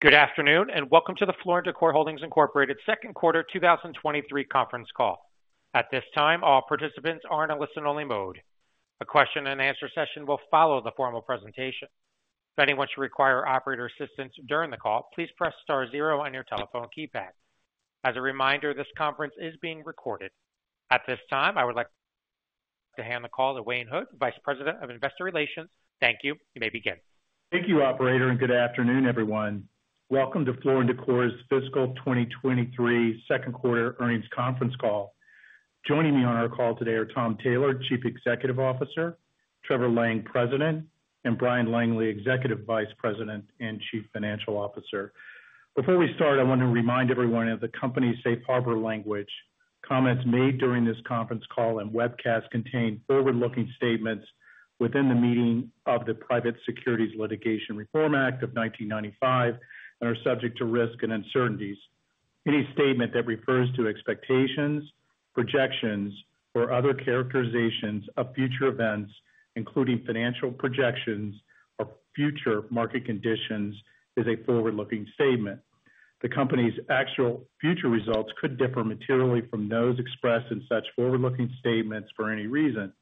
Good afternoon, welcome to the Floor & Decor Holdings, Inc. Second Quarter 2023 Conference Call. At this time, all participants are in a listen-only mode. A question-and-answer session will follow the formal presentation. If anyone should require operator assistance during the call, please press star zero your telephone keypad. As a reminder, this conference is being recorded. At this time, I would like to hand the call to Wayne Hood, Vice President of Investor Relations. Thank you. You may begin. Thank you, operator, good afternoon, everyone. Welcome to Floor & Decor's Fiscal 2023 Second Quarter Earnings conference call. Joining me on our call today are Tom Taylor, Chief Executive Officer, Trevor Lang, President, and Brian Langley, Executive Vice President and Chief Financial Officer. Before we start, I want to remind everyone of the company's safe harbor language. Comments made during this conference call and webcast contain forward-looking statements within the meaning of the Private Securities Litigation Reform Act of 1995 and are subject to risk and uncertainties. Any statement that refers to expectations, projections, or other characterizations of future events, including financial projections or future market conditions, is a forward-looking statement. The company's actual future results could differ materially from those expressed in such forward-looking statements for any reason,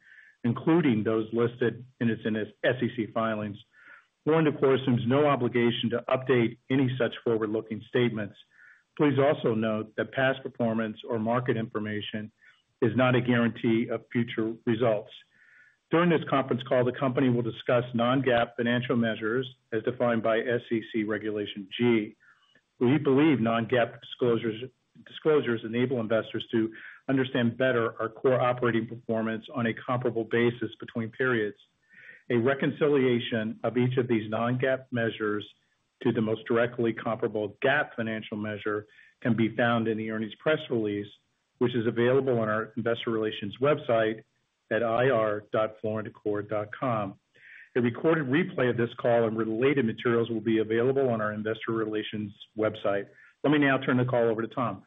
including those listed in its SEC filings. Floor & Decor assumes no obligation to update any such forward-looking statements. Please also note that past performance or market information is not a guarantee of future results. During this conference call, the company will discuss non-GAAP financial measures as defined by SEC Regulation G. We believe non-GAAP disclosures enable investors to understand better our core operating performance on a comparable basis between periods. A reconciliation of each of these non-GAAP measures to the most directly comparable GAAP financial measure can be found in the earnings press release, which is available on our investor relations website at ir.flooranddecor.com. A recorded replay of this call and related materials will be available on our investor relations website. Let me now turn the call over to Tom.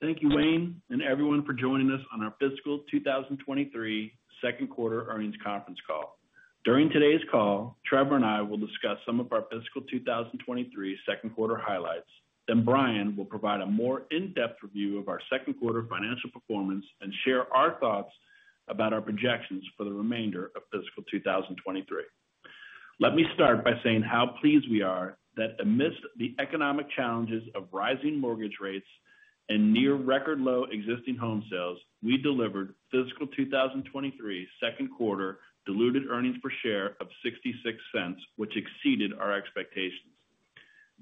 Thank you, Wayne, and everyone for joining us on Our Fiscal 2023 Second Quarter Earnings Conference Call. During today's call, Trevor and I will discuss some of our fiscal 2023 second quarter highlights. Brian will provide a more in-depth review of our second quarter financial performance and share our thoughts about our projections for the remainder of fiscal 2023. Let me start by saying how pleased we are that amidst the economic challenges of rising mortgage rates and near record low existing home sales, we delivered fiscal 2023 second quarter diluted earnings per share of $0.66, which exceeded our expectations.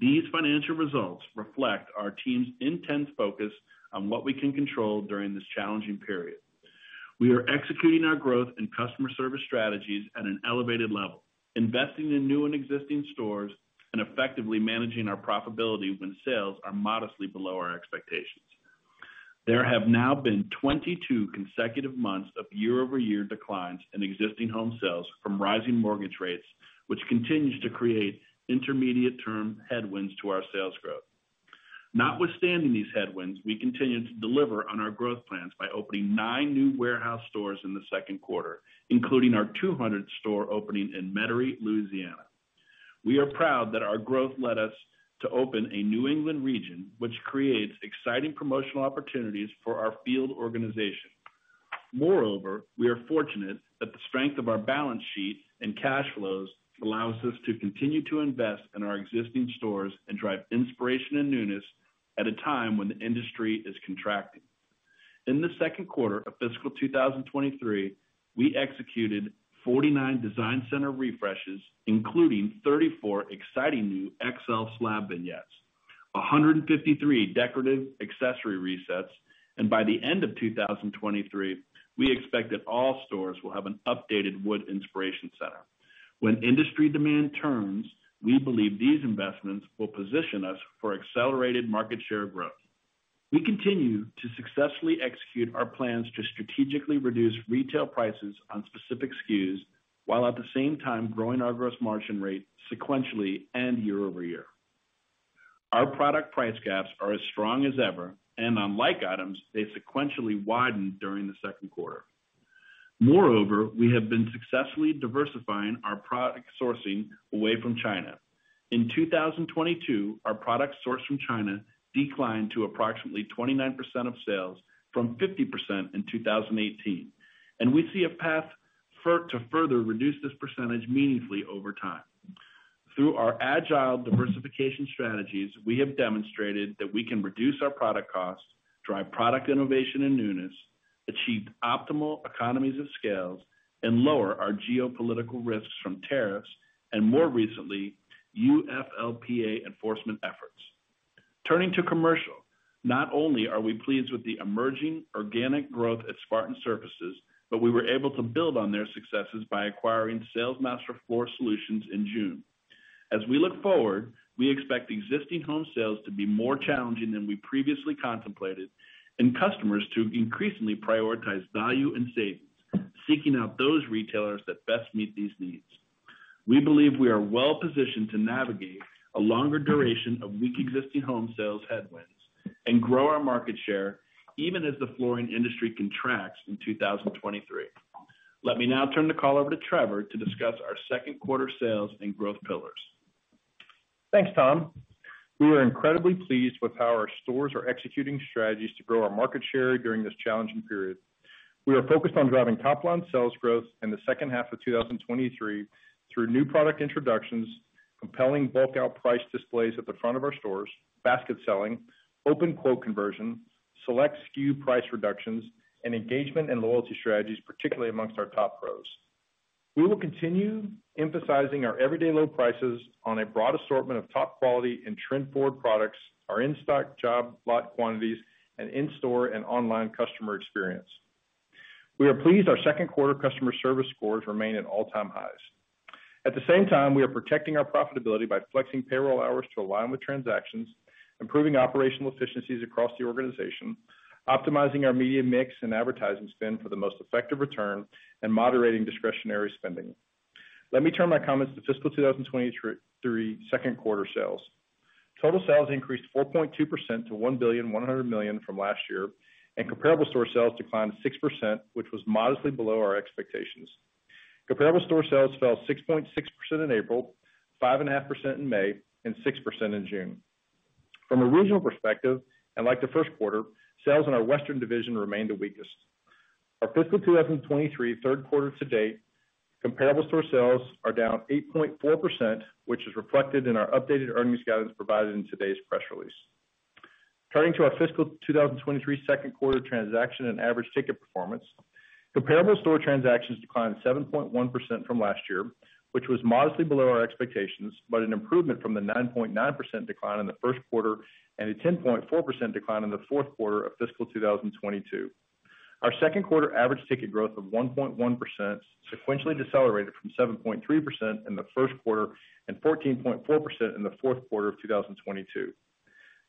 These financial results reflect our team's intense focus on what we can control during this challenging period. We are executing our growth and customer service strategies at an elevated level, investing in new and existing stores, and effectively managing our profitability when sales are modestly below our expectations. There have now been 22 consecutive months of year-over-year declines in existing home sales from rising mortgage rates, which continues to create intermediate-term headwinds to our sales growth. Notwithstanding these headwinds, we continue to deliver on our growth plans by opening 9 new warehouse stores in the second quarter, including our 200th store opening in Metairie, Louisiana. We are proud that our growth led us to open a New England region, which creates exciting promotional opportunities for our field organization. Moreover, we are fortunate that the strength of our balance sheet and cash flows allows us to continue to invest in our existing stores and drive inspiration and newness at a time when the industry is contracting. In the second quarter of fiscal 2023, we executed 49 design center refreshes, including 34 exciting new XL slab vignettes, 153 decorative accessory resets, and by the end of 2023, we expect that all stores will have an updated wood inspiration center. When industry demand turns, we believe these investments will position us for accelerated market share growth. We continue to successfully execute our plans to strategically reduce retail prices on specific SKUs, while at the same time growing our gross margin rate sequentially and year-over-year. Our product price gaps are as strong as ever, and on like items, they sequentially widened during the second quarter. Moreover, we have been successfully diversifying our product sourcing away from China. In 2022, our products sourced from China declined to approximately 29% of sales from 50% in 2018, and we see a path to further reduce this percentage meaningfully over time. Through our agile diversification strategies, we have demonstrated that we can reduce our product costs, drive product innovation and newness, achieve optimal economies of scales, and lower our geopolitical risks from tariffs, and more recently, UFLPA enforcement efforts. Turning to commercial, not only are we pleased with the emerging organic growth at Spartan Surfaces, but we were able to build on their successes by acquiring Salesmaster Flooring Solutions in June. As we look forward, we expect existing home sales to be more challenging than we previously contemplated and customers to increasingly prioritize value and savings, seeking out those retailers that best meet these needs. We believe we are well positioned to navigate a longer duration of weak existing home sales headwinds and grow our market share, even as the flooring industry contracts in 2023. Let me now turn the call over to Trevor to discuss our second quarter sales and growth pillars. Thanks, Tom. We are incredibly pleased with how our stores are executing strategies to grow our market share during this challenging period. We are focused on driving top-line sales growth in the second half of 2023 through new product introductions, compelling bulk-out price displays at the front of our stores, basket selling, open quote conversion, select SKU price reductions, and engagement and loyalty strategies, particularly amongst our top pros. We will continue emphasizing our everyday low prices on a broad assortment of top quality and trend-forward products, our in-stock job lot quantities, and in-store and online customer experience. We are pleased our second quarter customer service scores remain at all-time highs. At the same time, we are protecting our profitability by flexing payroll hours to align with transactions, improving operational efficiencies across the organization, optimizing our media mix and advertising spend for the most effective return, and moderating discretionary spending. Let me turn my comments to fiscal 2023 second quarter sales. Total sales increased 4.2% to $1.1 billion from last year, and comparable store sales declined 6%, which was modestly below our expectations. Comparable store sales fell 6.6% in April, 5.5% in May, and 6% in June. From a regional perspective, and like the first quarter, sales in our Western division remained the weakest. Our fiscal 2023 third quarter to date, comparable store sales are down 8.4%, which is reflected in our updated earnings guidance provided in today's press release. Turning to our fiscal 2023 second quarter transaction and average ticket performance, comparable store transactions declined 7.1% from last year, which was modestly below our expectations, but an improvement from the 9.9% decline in the first quarter and a 10.4% decline in the fourth quarter of fiscal 2022. Our second quarter average ticket growth of 1.1% sequentially decelerated from 7.3% in the first quarter and 14.4% in the fourth quarter of 2022.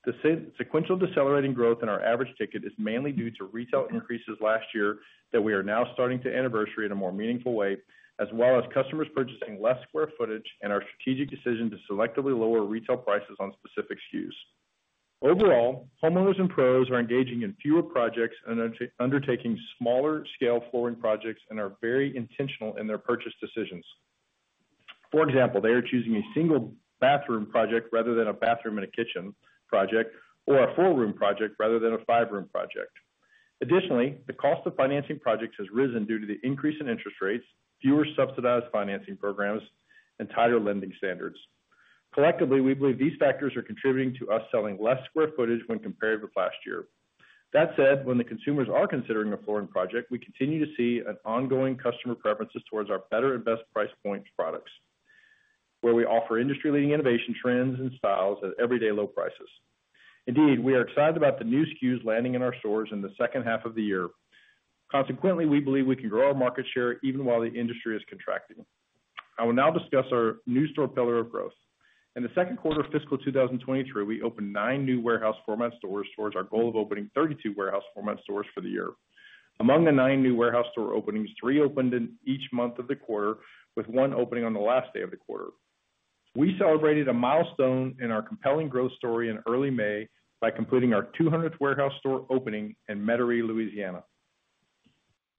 The sequential decelerating growth in our average ticket is mainly due to retail increases last year, that we are now starting to anniversary in a more meaningful way, as well as customers purchasing less square footage and our strategic decision to selectively lower retail prices on specific SKUs. Overall, homeowners and pros are engaging in fewer projects and undertaking smaller scale flooring projects and are very intentional in their purchase decisions. For example, they are choosing a single bathroom project rather than a bathroom and a kitchen project, or a four-room project rather than a five-room project. Additionally, the cost of financing projects has risen due to the increase in interest rates, fewer subsidized financing programs, and tighter lending standards. Collectively, we believe these factors are contributing to us selling less square footage when compared with last year. That said, when the consumers are considering a flooring project, we continue to see an ongoing customer preferences towards our better and best price points products, where we offer industry-leading innovation trends and styles at everyday low prices. Indeed, we are excited about the new SKUs landing in our stores in the second half of the year. Consequently, we believe we can grow our market share even while the industry is contracting. I will now discuss our new store pillar of growth. In the second quarter of fiscal 2023, we opened nine new warehouse format stores towards our goal of opening 32 warehouse format stores for the year. Among the nine new warehouse store openings, three opened in each month of the quarter, with one opening on the last day of the quarter. We celebrated a milestone in our compelling growth story in early May by completing our 200th warehouse store opening in Metairie, Louisiana.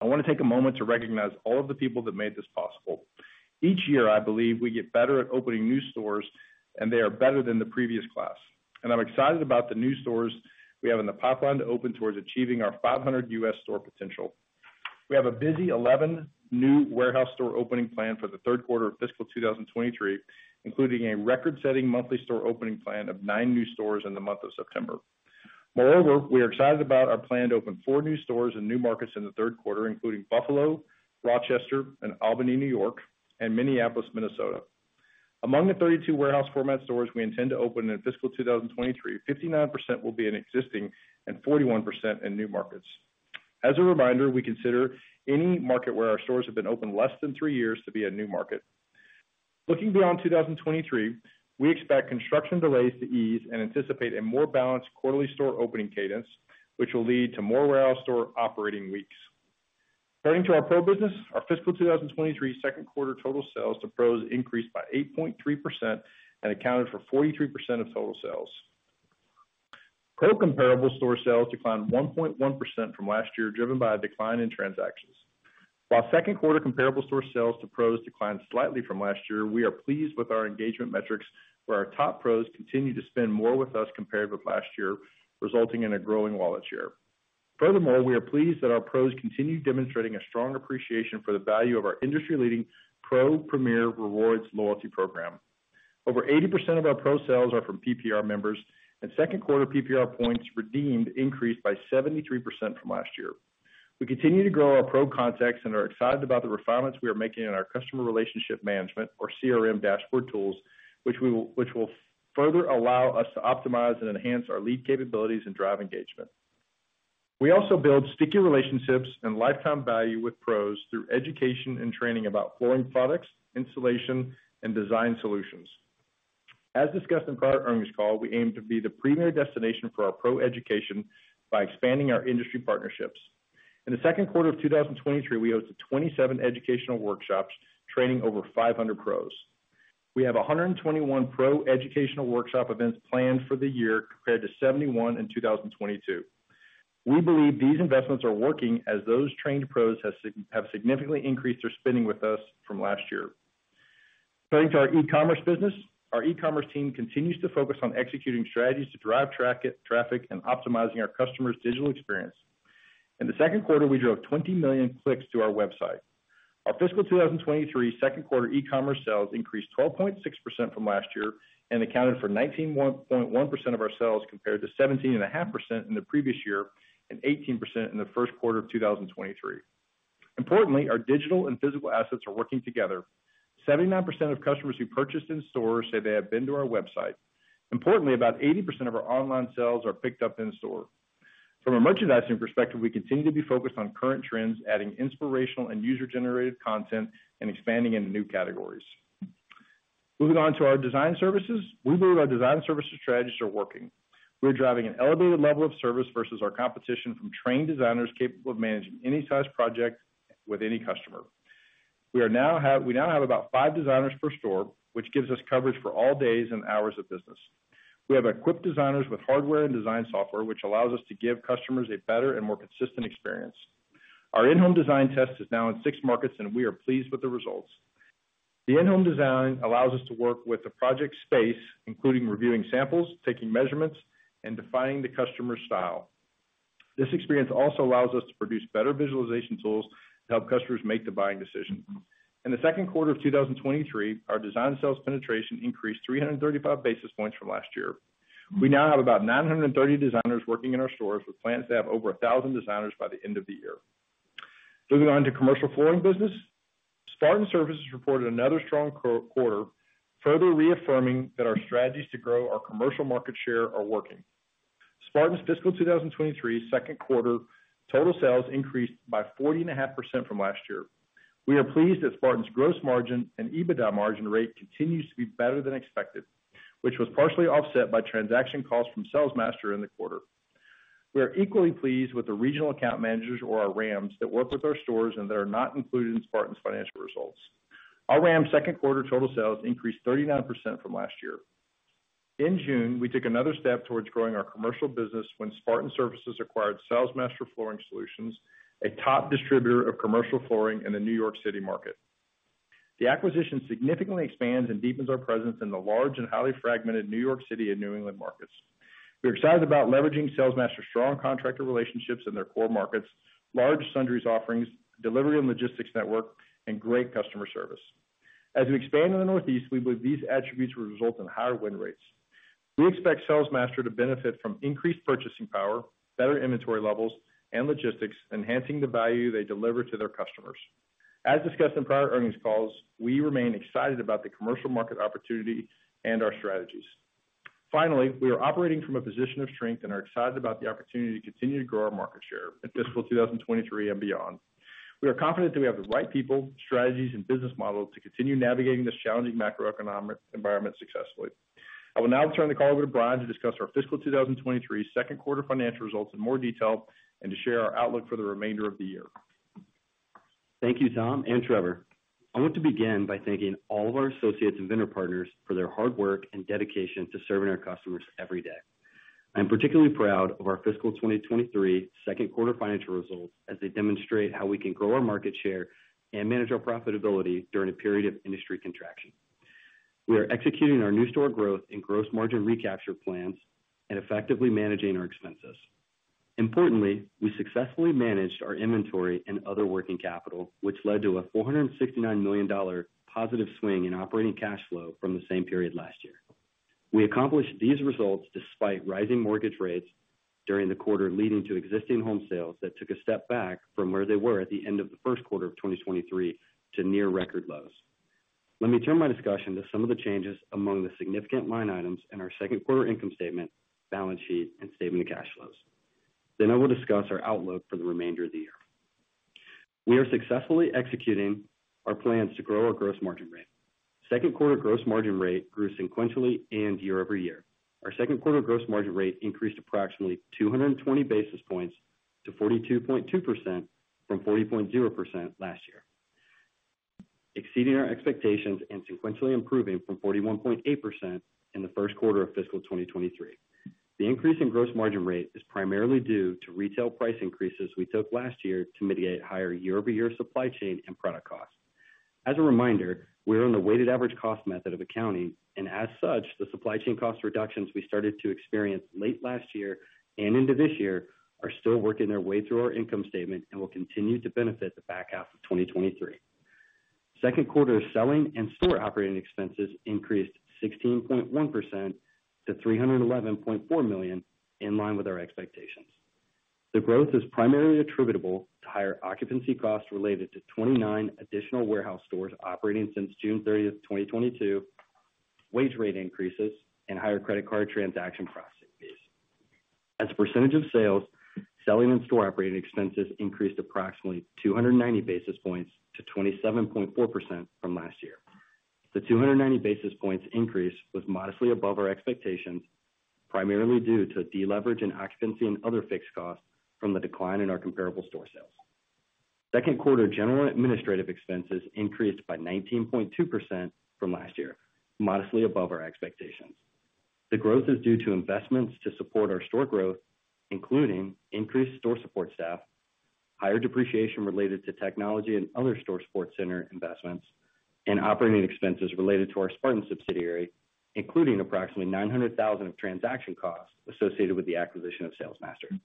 I want to take a moment to recognize all of the people that made this possible. Each year, I believe we get better at opening new stores, and they are better than the previous class, and I'm excited about the new stores we have in the pipeline to open towards achieving our 500 U.S. store potential. We have a busy 11 new warehouse store opening plan for the third quarter of fiscal 2023, including a record-setting monthly store opening plan of nine new stores in the month of September. Moreover, we are excited about our plan to open four new stores in new markets in the third quarter, including Buffalo, Rochester, and Albany, New York, and Minneapolis, Minnesota. Among the 32 warehouse format stores we intend to open in fiscal 2023, 59% will be in existing and 41% in new markets. As a reminder, we consider any market where our stores have been open less than three years to be a new market. Looking beyond 2023, we expect construction delays to ease and anticipate a more balanced quarterly store opening cadence, which will lead to more warehouse store operating weeks. Turning to our pro business, our fiscal 2023 second quarter total sales to pros increased by 8.3% and accounted for 43% of total sales. Pro comparable store sales declined 1.1% from last year, driven by a decline in transactions. While second quarter comparable store sales to pros declined slightly from last year, we are pleased with our engagement metrics, where our top pros continue to spend more with us compared with last year, resulting in a growing wallet share. Furthermore, we are pleased that our pros continue demonstrating a strong appreciation for the value of our industry-leading Pro Premier Rewards loyalty program. Over 80% of our pro sales are from PPR members, and second quarter PPR points redeemed increased by 73% from last year. We continue to grow our pro contacts and are excited about the refinements we are making in our customer relationship management or CRM dashboard tools, which will further allow us to optimize and enhance our lead capabilities and drive engagement. We also build sticky relationships and lifetime value with pros through education and training about flooring products, installation, and design solutions. As discussed in prior earnings call, we aim to be the premier destination for our pro education by expanding our industry partnerships. In the second quarter of 2023, we hosted 27 educational workshops, training over 500 pros. We have 121 pro educational workshop events planned for the year, compared to 71 in 2022. We believe these investments are working, as those trained pros have significantly increased their spending with us from last year. Turning to our e-commerce business. Our e-commerce team continues to focus on executing strategies to drive traffic, and optimizing our customers' digital experience. In the second quarter, we drove 20 million clicks to our website. Our fiscal 2023 second quarter e-commerce sales increased 12.6% from last year and accounted for 19.1% of our sales, compared to 17.5% in the previous year and 18% in the first quarter of 2023. Importantly, our digital and physical assets are working together. 79% of customers who purchased in store say they have been to our website. Importantly, about 80% of our online sales are picked up in store. From a merchandising perspective, we continue to be focused on current trends, adding inspirational and user-generated content and expanding into new categories. Moving on to our design services. We believe our design services strategies are working. We're driving an elevated level of service versus our competition from trained designers capable of managing any size project with any customer. We now have about five designers per store, which gives us coverage for all days and hours of business. We have equipped designers with hardware and design software, which allows us to give customers a better and more consistent experience. Our in-home design test is now in six markets, and we are pleased with the results. The in-home design allows us to work with the project space, including reviewing samples, taking measurements, and defining the customer's style. This experience also allows us to produce better visualization tools to help customers make the buying decision. In the second quarter of 2023, our design sales penetration increased 335 basis points from last year. We now have about 930 designers working in our stores, with plans to have over 1,000 designers by the end of the year. Moving on to commercial flooring business. Spartan Surfaces reported another strong quarter, further reaffirming that our strategies to grow our commercial market share are working. Spartan's fiscal 2023 second quarter total sales increased by 40.5% from last year. We are pleased that Spartan's gross margin and EBITDA margin rate continues to be better than expected, which was partially offset by transaction costs from Salesmaster in the quarter. We are equally pleased with the regional account managers or our RAMs, that work with our stores and that are not included in Spartan's financial results. Our RAMs second quarter total sales increased 39% from last year. In June, we took another step towards growing our commercial business when Spartan Surfaces acquired Salesmaster Flooring Solutions, a top distributor of commercial flooring in the New York City market. The acquisition significantly expands and deepens our presence in the large and highly fragmented New York City and New England markets. We're excited about leveraging Salesmaster's strong contractor relationships in their core markets, large sundries offerings, delivery and logistics network, and great customer service. As we expand in the Northeast, we believe these attributes will result in higher win rates. We expect Salesmaster to benefit from increased purchasing power, better inventory levels and logistics, enhancing the value they deliver to their customers. As discussed in prior earnings calls, we remain excited about the commercial market opportunity and our strategies. Finally, we are operating from a position of strength and are excited about the opportunity to continue to grow our market share in fiscal 2023 and beyond. We are confident that we have the right people, strategies, and business model to continue navigating this challenging macroeconomic environment successfully. I will now turn the call over to Brian, to discuss our fiscal 2023 second quarter financial results in more detail, and to share our outlook for the remainder of the year. Thank you, Tom and Trevor. I want to begin by thanking all of our associates and vendor partners for their hard work and dedication to serving our customers every day. I'm particularly proud of our fiscal 2023 second quarter financial results, as they demonstrate how we can grow our market share and manage our profitability during a period of industry contraction. We are executing our new store growth and gross margin recapture plans and effectively managing our expenses. Importantly, we successfully managed our inventory and other working capital, which led to a $469 million positive swing in operating cash flow from the same period last year. We accomplished these results despite rising mortgage rates during the quarter, leading to existing home sales that took a step back from where they were at the end of the first quarter of 2023 to near record lows. Let me turn my discussion to some of the changes among the significant line items in our second quarter income statement, balance sheet, and statement of cash flows. I will discuss our outlook for the remainder of the year. We are successfully executing our plans to grow our gross margin rate. Second quarter gross margin rate grew sequentially and year-over-year. Our second quarter gross margin rate increased approximately 220 basis points to 42.2% from 40.0% last year, exceeding our expectations and sequentially improving from 41.8% in the first quarter of fiscal 2023. The increase in gross margin rate is primarily due to retail price increases we took last year to mitigate higher year-over-year supply chain and product costs. As a reminder, we are in the weighted-average cost method of accounting, and as such, the supply chain cost reductions we started to experience late last year and into this year are still working their way through our income statement and will continue to benefit the back half of 2023. Second quarter selling and store operating expenses increased 16.1% to $311.4 million, in line with our expectations. The growth is primarily attributable to higher occupancy costs related to 29 additional warehouse stores operating since June 30, 2022, wage rate increases and higher credit card transaction processing fees. As a percentage of sales, selling and store operating expenses increased approximately 290 basis points to 27.4% from last year. The 290 basis points increase was modestly above our expectations, primarily due to deleverage in occupancy and other fixed costs from the decline in our comparable store sales. Second quarter general administrative expenses increased by 19.2% from last year, modestly above our expectations. The growth is due to investments to support our store growth, including increased store support staff, higher depreciation related to technology and other store support center investments, and operating expenses related to our Spartan Surfaces subsidiary, including approximately $900,000 of transaction costs associated with the acquisition of Salesmaster.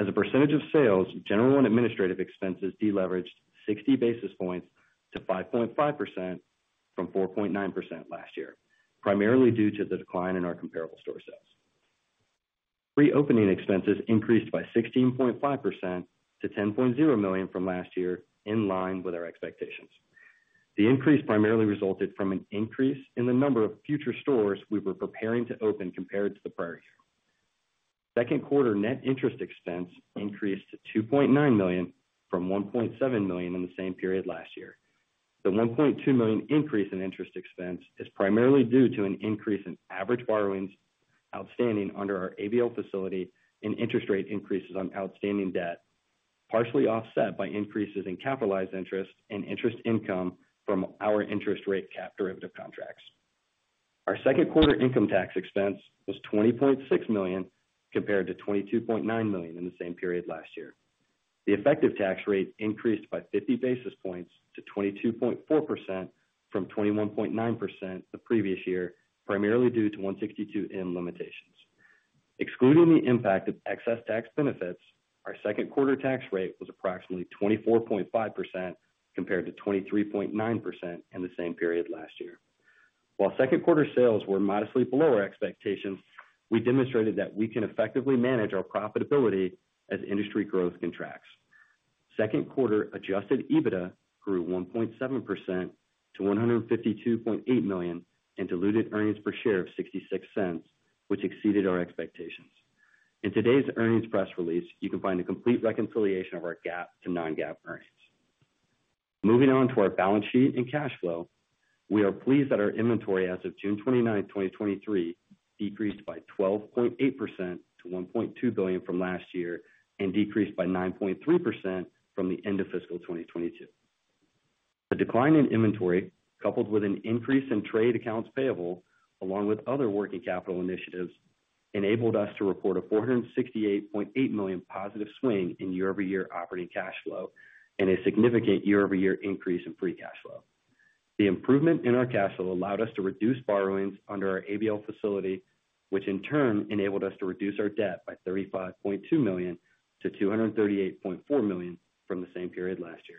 As a percentage of sales, general and administrative expenses deleveraged 60 basis points to 5.5% from 4.9% last year, primarily due to the decline in our comparable store sales. Pre-opening expenses increased by 16.5% to $10.0 million from last year, in line with our expectations. The increase primarily resulted from an increase in the number of future stores we were preparing to open compared to the prior year. Second quarter net interest expense increased to $2.9 million from $1.7 million in the same period last year. The $1.2 million increase in interest expense is primarily due to an increase in average borrowings outstanding under our ABL facility and interest rate increases on outstanding debt, partially offset by increases in capitalized interest and interest income from our interest rate cap derivative contracts. Our second quarter income tax expense was $20.6 million, compared to $22.9 million in the same period last year. The effective tax rate increased by 50 basis points to 22.4% from 21.9% the previous year, primarily due to 162(m) limitations. Excluding the impact of excess tax benefits, our second quarter tax rate was approximately 24.5% compared to 23.9% in the same period last year. While second quarter sales were modestly below our expectations, we demonstrated that we can effectively manage our profitability as industry growth contracts. Second quarter Adjusted EBITDA grew 1.7% to $152.8 million, and diluted earnings per share of $0.66, which exceeded our expectations. In today's earnings press release, you can find a complete reconciliation of our GAAP to non-GAAP earnings. Moving on to our balance sheet and cash flow, we are pleased that our inventory as of June 29, 2023, decreased by 12.8% to $1.2 billion from last year, and decreased by 9.3% from the end of fiscal 2022. The decline in inventory, coupled with an increase in trade accounts payable, along with other working capital initiatives, enabled us to report a $468.8 million positive swing in year-over-year operating cash flow, and a significant year-over-year increase in free cash flow. The improvement in our cash flow allowed us to reduce borrowings under our ABL facility, which in turn enabled us to reduce our debt by $35.2 million to $238.4 million from the same period last year.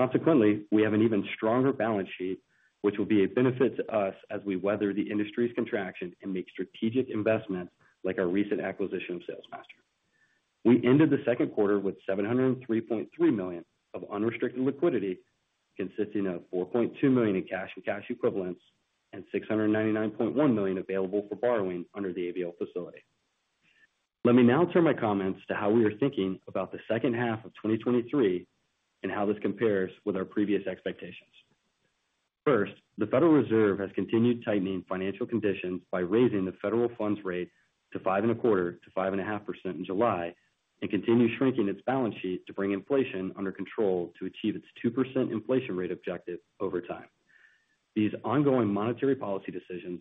Consequently, we have an even stronger balance sheet, which will be a benefit to us as we weather the industry's contraction and make strategic investments like our recent acquisition of Salesmaster. We ended the second quarter with $703.3 million of unrestricted liquidity, consisting of $4.2 million in cash and cash equivalents and $699.1 million available for borrowing under the ABL facility. Let me now turn my comments to how we are thinking about the second half of 2023, and how this compares with our previous expectations. First, the Federal Reserve has continued tightening financial conditions by raising the federal funds rate to 5.25%-5.5% in July, and continues shrinking its balance sheet to bring inflation under control to achieve its 2% inflation rate objective over time. These ongoing monetary policy decisions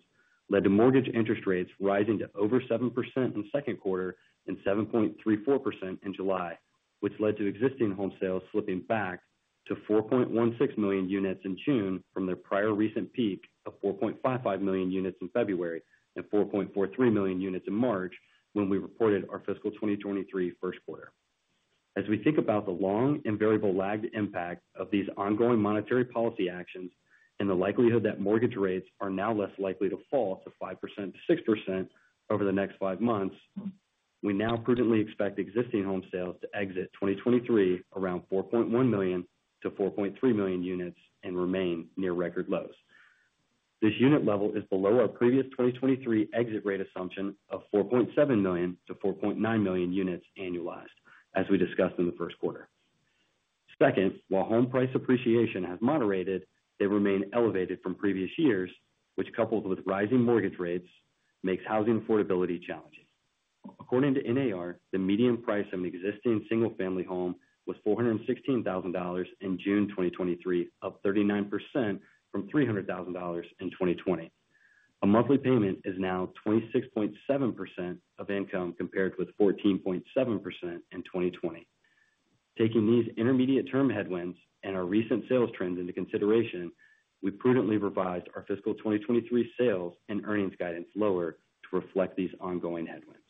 led to mortgage interest rates rising to over 7% in the second quarter and 7.34% in July, which led to existing home sales slipping back to 4.16 million units in June from their prior recent peak of 4.55 million units in February and 4.43 million units in March, when we reported our fiscal 2023 first quarter. As we think about the long and variable lagged impact of these ongoing monetary policy actions and the likelihood that mortgage rates are now less likely to fall to 5%-6% over the next 5 months, we now prudently expect existing home sales to exit 2023 around 4.1 million-4.3 million units and remain near record lows. This unit level is below our previous 2023 exit rate assumption of 4.7 million-4.9 million units annualized, as we discussed in the first quarter. Second, while home price appreciation has moderated, they remain elevated from previous years, which, coupled with rising mortgage rates, makes housing affordability challenging. According to NAR, the median price of an existing single-family home was $416,000 in June 2023, up 39% from $300,000 in 2020. A monthly payment is now 26.7% of income, compared with 14.7% in 2020. Taking these intermediate term headwinds and our recent sales trends into consideration, we prudently revised our fiscal 2023 sales and earnings guidance lower to reflect these ongoing headwinds.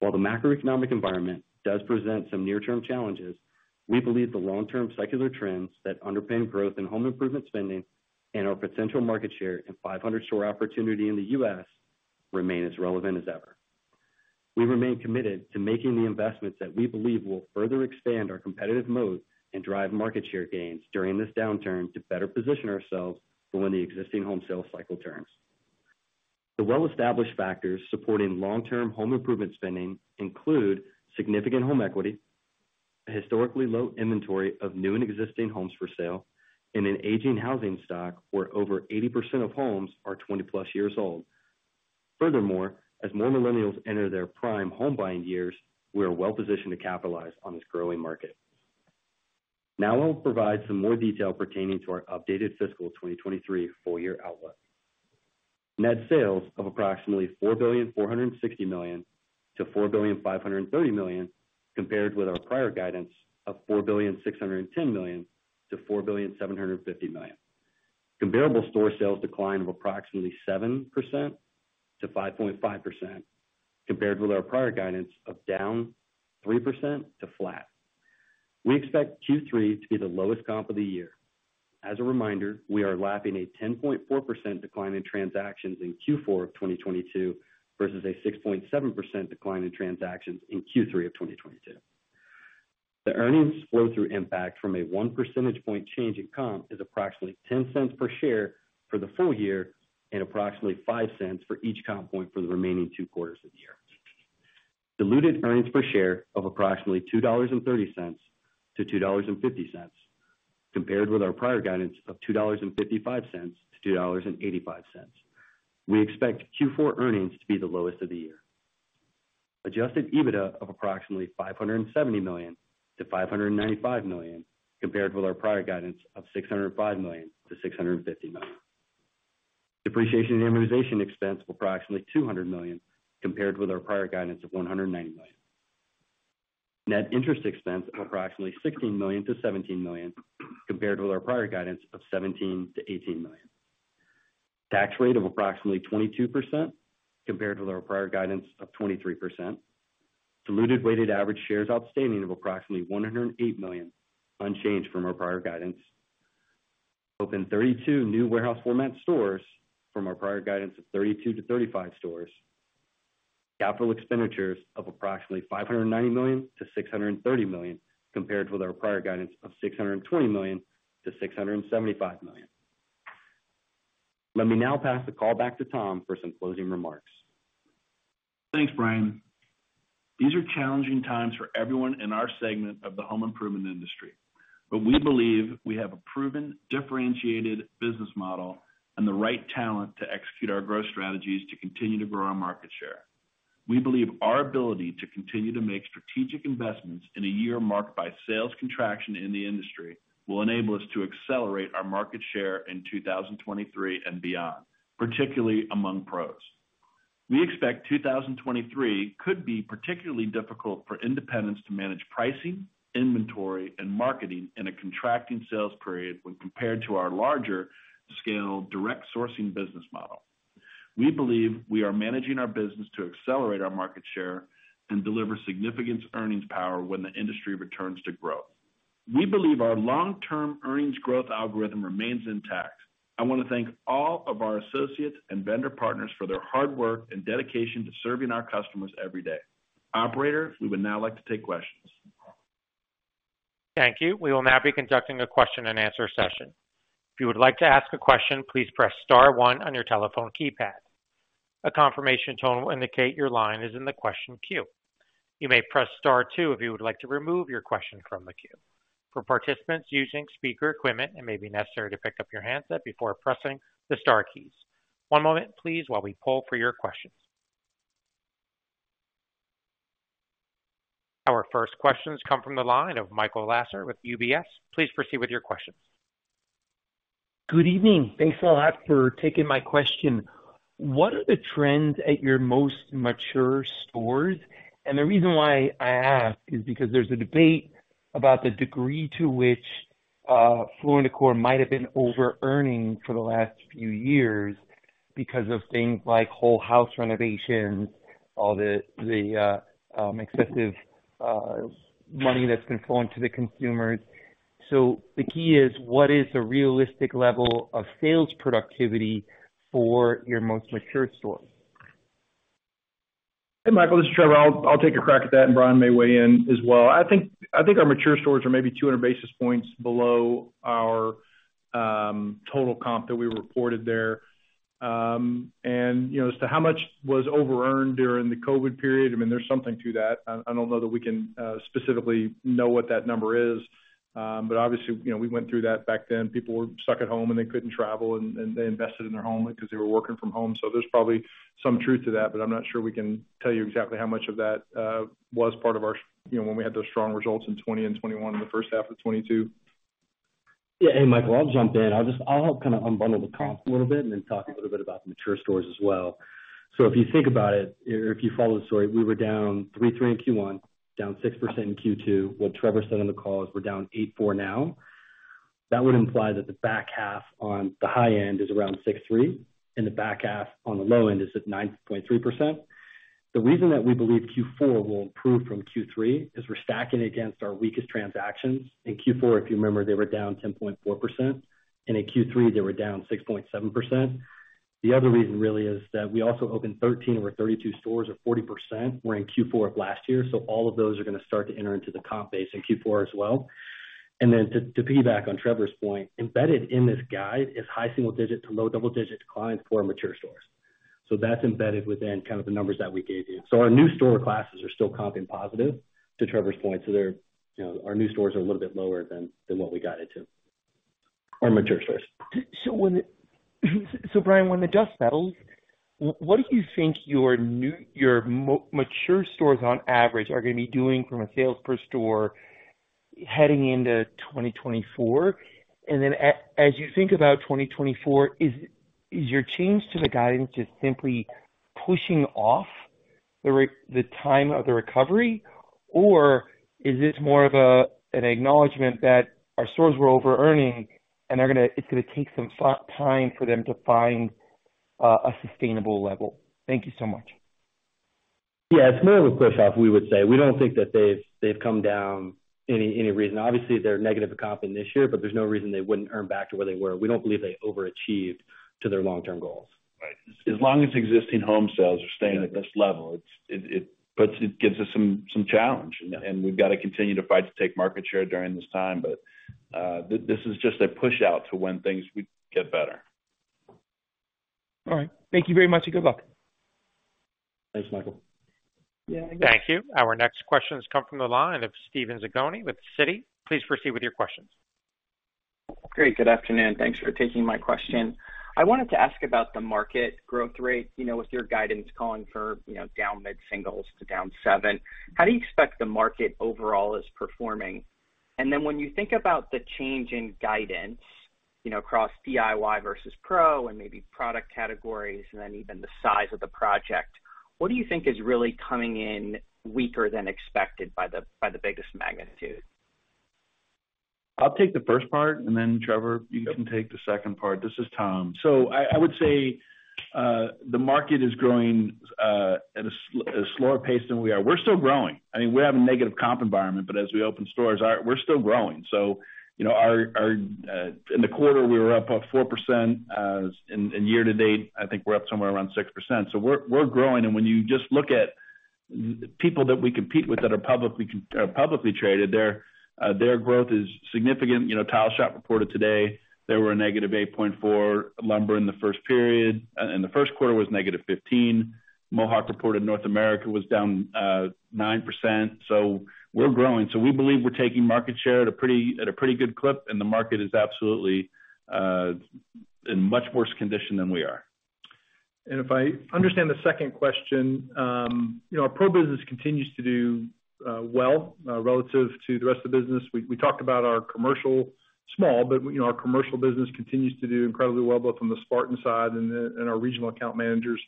While the macroeconomic environment does present some near-term challenges, we believe the long-term secular trends that underpin growth in home improvement spending and our potential market share and 500 store opportunity in the U.S. remain as relevant as ever. We remain committed to making the investments that we believe will further expand our competitive moat and drive market share gains during this downturn to better position ourselves for when the existing home sales cycle turns. The well-established factors supporting long-term home improvement spending include significant home equity, a historically low inventory of new and existing homes for sale, and an aging housing stock, where over 80% of homes are 20-plus years old. Furthermore, as more millennials enter their prime home buying years, we are well-positioned to capitalize on this growing market. Now I'll provide some more detail pertaining to our updated fiscal 2023 full year outlook. Net sales of approximately $4.46 billion-$4.53 billion, compared with our prior guidance of $4.61 billion-$4.75 billion. Comparable store sales decline of approximately 7%-5.5%, compared with our prior guidance of down 3% to flat. We expect Q3 to be the lowest comp of the year. As a reminder, we are lapping a 10.4% decline in transactions in Q4 of 2022, versus a 6.7% decline in transactions in Q3 of 2022. The earnings flow-through impact from a 1 percentage point change in comp is approximately $0.10 per share for the full year and approximately $0.05 for each comp point for the remaining two quarters of the year. Diluted earnings per share of approximately $2.30-$2.50, compared with our prior guidance of $2.55-$2.85. We expect Q4 earnings to be the lowest of the year. Adjusted EBITDA of approximately $570 million-$595 million, compared with our prior guidance of $605 million-$650 million. Depreciation and amortization expense of approximately $200 million, compared with our prior guidance of $190 million. Net interest expense of approximately $16 million-$17 million, compared with our prior guidance of $17 million-$18 million. Tax rate of approximately 22%, compared with our prior guidance of 23%. Diluted weighted-average shares outstanding of approximately 108 million, unchanged from our prior guidance. Opened 32 new warehouse format stores from our prior guidance of 32-35 stores. Capital expenditures of approximately $590 million-$630 million, compared with our prior guidance of $620 million-$675 million. Let me now pass the call back to Tom for some closing remarks. Thanks, Brian. These are challenging times for everyone in our segment of the home improvement industry, but we believe we have a proven, differentiated business model and the right talent to execute our growth strategies to continue to grow our market share. We believe our ability to continue to make strategic investments in a year marked by sales contraction in the industry, will enable us to accelerate our market share in 2023 and beyond, particularly among pros. We expect 2023 could be particularly difficult for independents to manage pricing, inventory, and marketing in a contracting sales period when compared to our larger scale direct sourcing business model. We believe we are managing our business to accelerate our market share and deliver significant earnings power when the industry returns to growth. We believe our long-term earnings growth algorithm remains intact. I want to thank all of our associates and vendor partners for their hard work and dedication to serving our customers every day. Operator, we would now like to take questions. Thank you. We will now be conducting a question and answer session. If you would like to ask a question, please press star one on your telephone keypad. A confirmation tone will indicate your line is in the question queue. You may press star two if you would like to remove your question from the queue. For participants using speaker equipment, it may be necessary to pick up your handset before pressing the star keys. One moment, please, while we pull for your questions. Our first questions come from the line of Michael Lasser with UBS. Please proceed with your questions. Good evening. Thanks a lot for taking my question. What are the trends at your most mature stores? The reason why I ask is because there's a debate about the degree to which Floor & Decor might have been overearning for the last few years because of things like whole house renovations, all the, the excessive money that's been flowing to the consumers. The key is: what is the realistic level of sales productivity for your most mature stores? Hey, Michael, this is Trevor. I'll take a crack at that, and Brian may weigh in as well. I think our mature stores are maybe 200 basis points below our total comp that we reported there. You know, as to how much was overearned during the COVID period, I mean, there's something to that. I don't know that we can specifically know what that number is, but obviously, you know, we went through that back then. People were stuck at home, and they couldn't travel, and they invested in their home because they were working from home. There's probably some truth to that, but I'm not sure we can tell you exactly how much of that was part of our... You know, when we had those strong results in 2020 and 2021, and the first half of 2022. Yeah. Hey, Michael, I'll jump in. I'll kind of unbundle the comp a little bit and then talk a little bit about the mature stores as well. If you think about it or if you follow the story, we were down 3.3% in Q1, down 6% in Q2. What Trevor said on the call is we're down 8.4% now. That would imply that the back half on the high end is around 6.3%, and the back half on the low end is at 9.3%. The reason that we believe Q4 will improve from Q3 is we're stacking against our weakest transactions. In Q4, if you remember, they were down 10.4%, and in Q3, they were down 6.7%. The other reason really is that we also opened 13 over 32 stores or 40%, were in Q4 of last year, so all of those are going to start to enter into the comp base in Q4 as well. To, to piggyback on Trevor's point, embedded in this guide is high single-digit to low double-digit decline for mature stores. That's embedded within kind of the numbers that we gave you. Our new store classes are still comping positive to Trevor's point. They're, you know, our new stores are a little bit lower than, than what we guided to. our mature stores. When, so Brian, when the dust settles, what do you think your mature stores on average are going to be doing from a sales per store heading into 2024? Then as you think about 2024, is, is your change to the guidance just simply pushing off the time of the recovery? Or is this more of a, an acknowledgment that our stores were overearning and they're gonna it's gonna take some time for them to find a sustainable level? Thank you so much. Yeah, it's more of a pushoff, we would say. We don't think that they've come down any, any reason. Obviously, they're negative comping this year, but there's no reason they wouldn't earn back to where they were. We don't believe they overachieved to their long-term goals. Right. As long as existing home sales are staying at this level, it's, it, it, but it gives us some, some challenge, and we've got to continue to fight to take market share during this time. This is just a push out to when things would get better. All right. Thank you very much, and good luck. Thanks, Michael. Yeah. Thank you. Our next question has come from the line of Steven Zaccone with Citi. Please proceed with your questions. Great. Good afternoon. Thanks for taking my question. I wanted to ask about the market growth rate. You know, with your guidance calling for, you know, down mid-singles to down 7, how do you expect the market overall is performing? Then when you think about the change in guidance, you know, across DIY versus Pro and maybe product categories and then even the size of the project, what do you think is really coming in weaker than expected by the biggest magnitude? I'll take the first part, and then, Trevor Lang, you can take the second part. This is Tom Taylor. I, I would say, the market is growing at a slower pace than we are. We're still growing. I mean, we have a negative comp environment, but as we open stores, our We're still growing. You know, our, our, in the quarter, we were up 4%, and, and year to date, I think we're up somewhere around 6%. We're, we're growing. When you just look at people that we compete with that are publicly are publicly traded, their growth is significant. You know, The Tile Shop reported today, they were a -8.4. Lumber in the first period, in the first quarter was -15. Mohawk reported North America was down 9%. We're growing. We believe we're taking market share at a pretty, at a pretty good clip, and the market is absolutely in much worse condition than we are. If I understand the second question, you know, our pro business continues to do well relative to the rest of the business. We, we talked about our commercial, small, but, you know, our commercial business continues to do incredibly well, both on the Spartan side and, and our regional account managers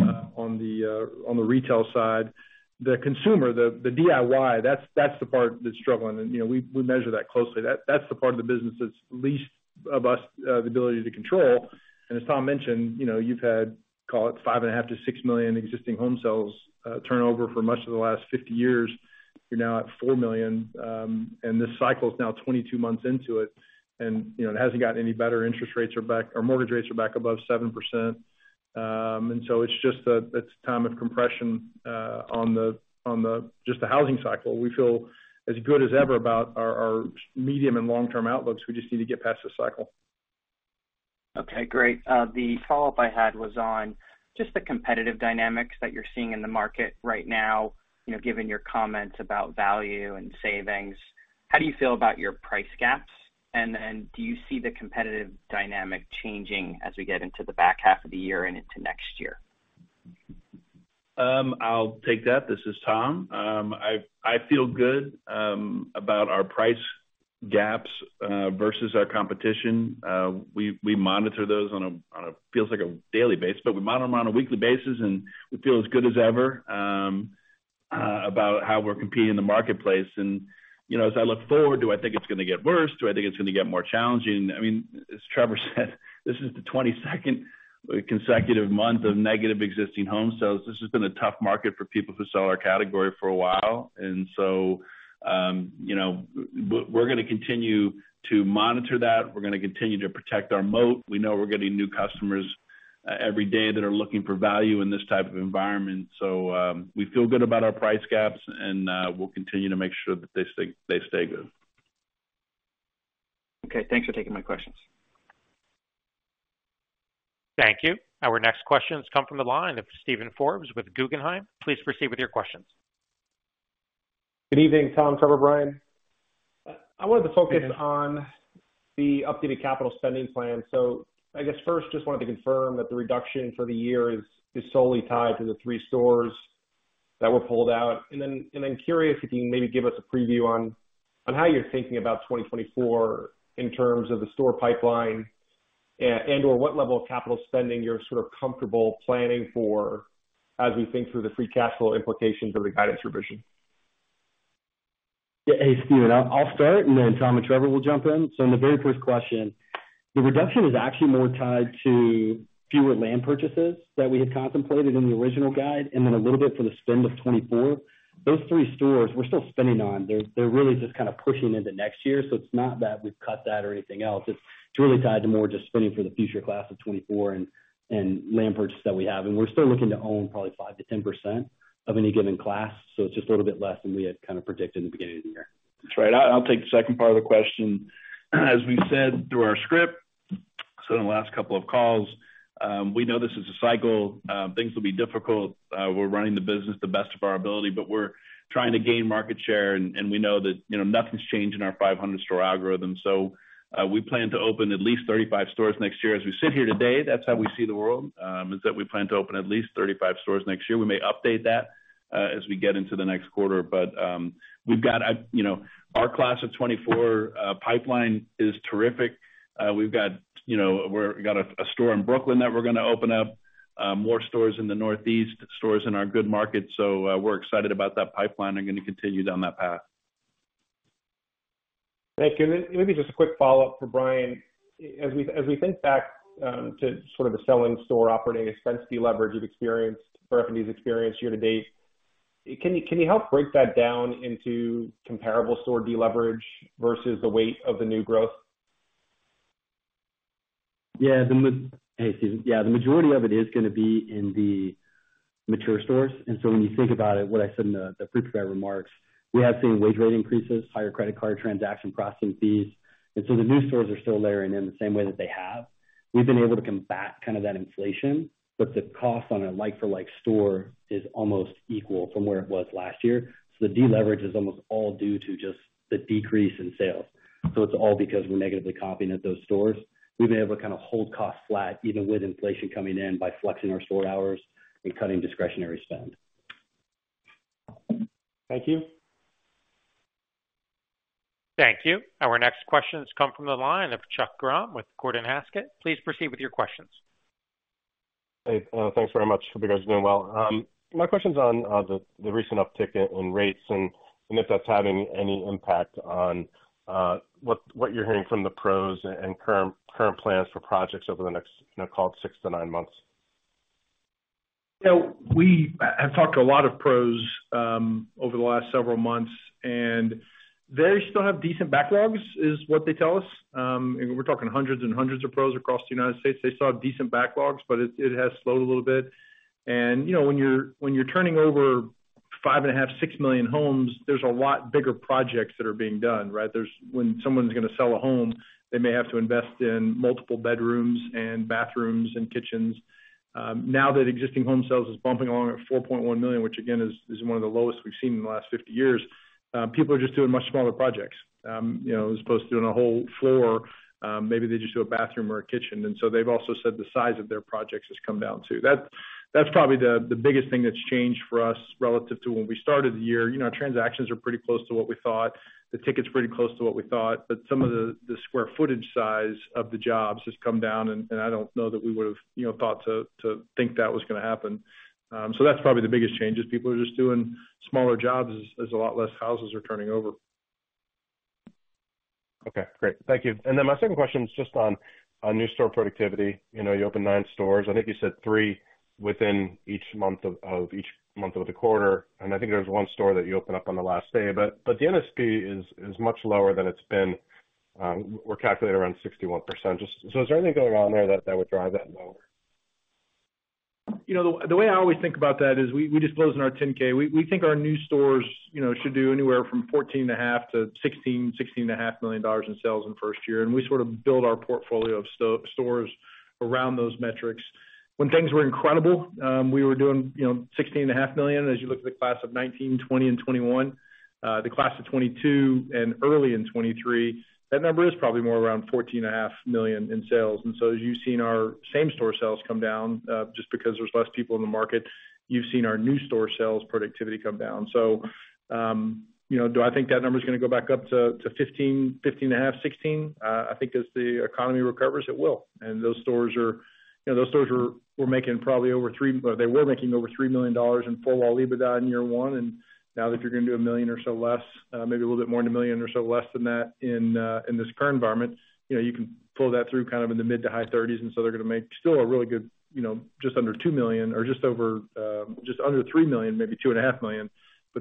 on the retail side. The consumer, the, the DIY, that's, that's the part that's struggling, and, you know, we, we measure that closely. That's the part of the business that's least of us the ability to control. As Tom mentioned, you know, you've had, call it, 5.5 million-6 million existing home sales turnover for much of the last 50 years. You're now at 4 million, and this cycle is now 22 months into it, and, you know, it hasn't gotten any better. Interest rates are back-- or mortgage rates are back above 7%. It's just a, it's a time of compression, on the, on the, just the housing cycle. We feel as good as ever about our, our medium and long-term outlooks. We just need to get past this cycle. Okay, great. The follow-up I had was on just the competitive dynamics that you're seeing in the market right now. You know, given your comments about value and savings, how do you feel about your price gaps? Do you see the competitive dynamic changing as we get into the back half of the year and into next year? I'll take that. This is Tom. I, I feel good about our price gaps versus our competition. We, we monitor those on a, on a feels like a daily basis, but we monitor them on a weekly basis, and we feel as good as ever about how we're competing in the marketplace. You know, as I look forward, do I think it's going to get worse? Do I think it's going to get more challenging? I mean, as Trevor said, this is the 22nd consecutive month of negative existing home sales. This has been a tough market for people who sell our category for a while. So, you know, we're going to continue to monitor that. We're going to continue to protect our moat. We know we're getting new customers, every day that are looking for value in this type of environment. We feel good about our price gaps, and, we'll continue to make sure that they stay, they stay good. Thanks for taking my questions. Thank you. Our next question has come from the line of Steven Forbes with Guggenheim. Please proceed with your questions. Good evening, Tom, Trevor, Brian. I wanted to focus on the updated capital spending plan. I guess first, just wanted to confirm that the reduction for the year is, is solely tied to the three stores that were pulled out. I'm curious if you can maybe give us a preview on, on how you're thinking about 2024 in terms of the store pipeline and/or what level of capital spending you're sort of comfortable planning for as we think through the free cash flow implications of the guidance revision? Yeah. Hey, Steven, I'll, I'll start, and then Tom and Trevor will jump in. In the very first question, the reduction is actually more tied to fewer land purchases that we had contemplated in the original guide, and then a little bit for the spend of 2024. Those three stores we're still spending on. They're, they're really just kind of pushing into next year. It's not that we've cut that or anything else. It's truly tied to more just spending for the future class of 2024 and, and land purchase that we have. We're still looking to own probably 5%-10% of any given class, so it's just a little bit less than we had kind of predicted in the beginning of the year. That's right. I'll take the second part of the question. As we said through our script. ...In the last couple of calls, we know this is a cycle. Things will be difficult. We're running the business to the best of our ability, but we're trying to gain market share, and, and we know that, you know, nothing's changed in our 500 store algorithm. We plan to open at least 35 stores next year. As we sit here today, that's how we see the world, is that we plan to open at least 35 stores next year. We may update that, as we get into the next quarter, but, you know, our class of 2024 pipeline is terrific. We've got, you know, we've got a store in Brooklyn that we're gonna open up, more stores in the Northeast, stores in our good markets. We're excited about that pipeline and going to continue down that path. Thank you. Maybe just a quick follow-up for Brian. As we think back to sort of the selling store operating expense deleverage you've experienced, revenues experienced year to date, can you help break that down into comparable store deleverage versus the weight of the new growth? Yeah, Hey, Steven. Yeah, the majority of it is gonna be in the mature stores. When you think about it, what I said in the prepared remarks, we have seen wage rate increases, higher credit card transaction processing fees, and so the new stores are still layering in the same way that they have. We've been able to combat kind of that inflation. The cost on a like-for-like store is almost equal from where it was last year. The deleverage is almost all due to just the decrease in sales. It's all because we're negatively comping at those stores. We've been able to kind of hold costs flat, even with inflation coming in by flexing our store hours and cutting discretionary spend. Thank you. Thank you. Our next question has come from the line of Chuck Grom with Gordon Haskett. Please proceed with your questions. Hey, thanks very much. Hope you guys are doing well. My question is on the recent uptick in rates and if that's having any impact on what you're hearing from the pros and current plans for projects over the next, you know, call it six to nine months? You know, we have talked to a lot of pros over the last several months. They still have decent backlogs, is what they tell us. We're talking hundreds and hundreds of pros across the United States. They still have decent backlogs, it has slowed a little bit. You know, when you're turning over 5.5 million-6 million homes, there's a lot bigger projects that are being done, right? When someone's gonna sell a home, they may have to invest in multiple bedrooms and bathrooms and kitchens. Now that existing home sales is bumping along at 4.1 million, which again, is one of the lowest we've seen in the last 50 years, people are just doing much smaller projects. You know, as opposed to doing a whole floor, maybe they just do a bathroom or a kitchen. They've also said the size of their projects has come down, too. That's probably the biggest thing that's changed for us relative to when we started the year. You know, our transactions are pretty close to what we thought. The ticket's pretty close to what we thought, but some of the square footage size of the jobs has come down, and I don't know that we would have, you know, thought to think that was gonna happen. That's probably the biggest change, is people are just doing smaller jobs as a lot less houses are turning over. Okay, great. Thank you. Then my second question is just on, on new store productivity. You know, you opened nine stores. I think you said three within each month of, of each month of the quarter, and I think there's one store that you opened up on the last day. But the NSP is, is much lower than it's been, we're calculated around 61%. Is there anything going on there that, that would drive that lower? You know, the way I always think about that is we, we disclosed in our 10-K. We, we think our new stores, you know, should do anywhere from $14.5 million-$16.5 million in sales in the 1st year, and we sort of build our portfolio of stores around those metrics. When things were incredible, we were doing, you know, $16.5 million as you look at the class of 2019, 2020, and 2021. The class of 2022 and early in 2023, that number is probably more around $14.5 million in sales. As you've seen our same store sales come down, just because there's less people in the market, you've seen our new store sales productivity come down. You know, do I think that number is gonna go back up to 15, 15.5, 16? I think as the economy recovers, it will. Those stores are, you know, those stores were making probably over $3 million-- they were making over $3 million in four-wall EBITDA in year 1, now that you're gonna do $1 million or so less, maybe a little bit more than $1 million or so less than that in this current environment, you know, you can pull that through kind of in the mid- to high-30s, they're gonna make still a really good, you know, just under $2 million or just over, just under $3 million, maybe $2.5 million.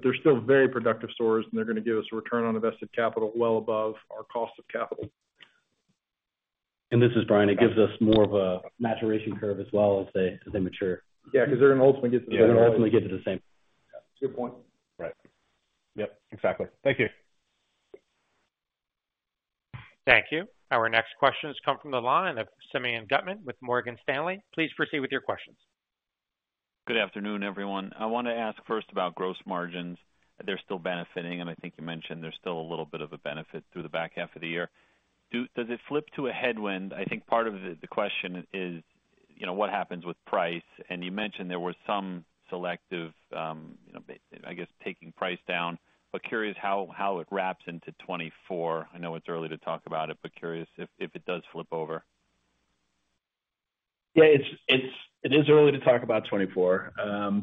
They're still very productive stores, and they're gonna give us a return on invested capital well above our cost of capital. This is Brian. It gives us more of a maturation curve as well as they, as they mature. Yeah, because they're gonna ultimately get to the. Yeah, they're gonna ultimately get to the same. Good point. Right. Yep, exactly. Thank you. Thank you. Our next question has come from the line of Simeon Gutman with Morgan Stanley. Please proceed with your questions. Good afternoon, everyone. I want to ask first about gross margins. They're still benefiting, and I think you mentioned there's still a little bit of a benefit through the back half of the year. Does it flip to a headwind? I think part of the question is, you know, what happens with price? You mentioned there was some selective, you know, I guess, taking price down, but curious how it wraps into 2024. I know it's early to talk about it, but curious if it does flip over. Yeah, it's, it is early to talk about 2024.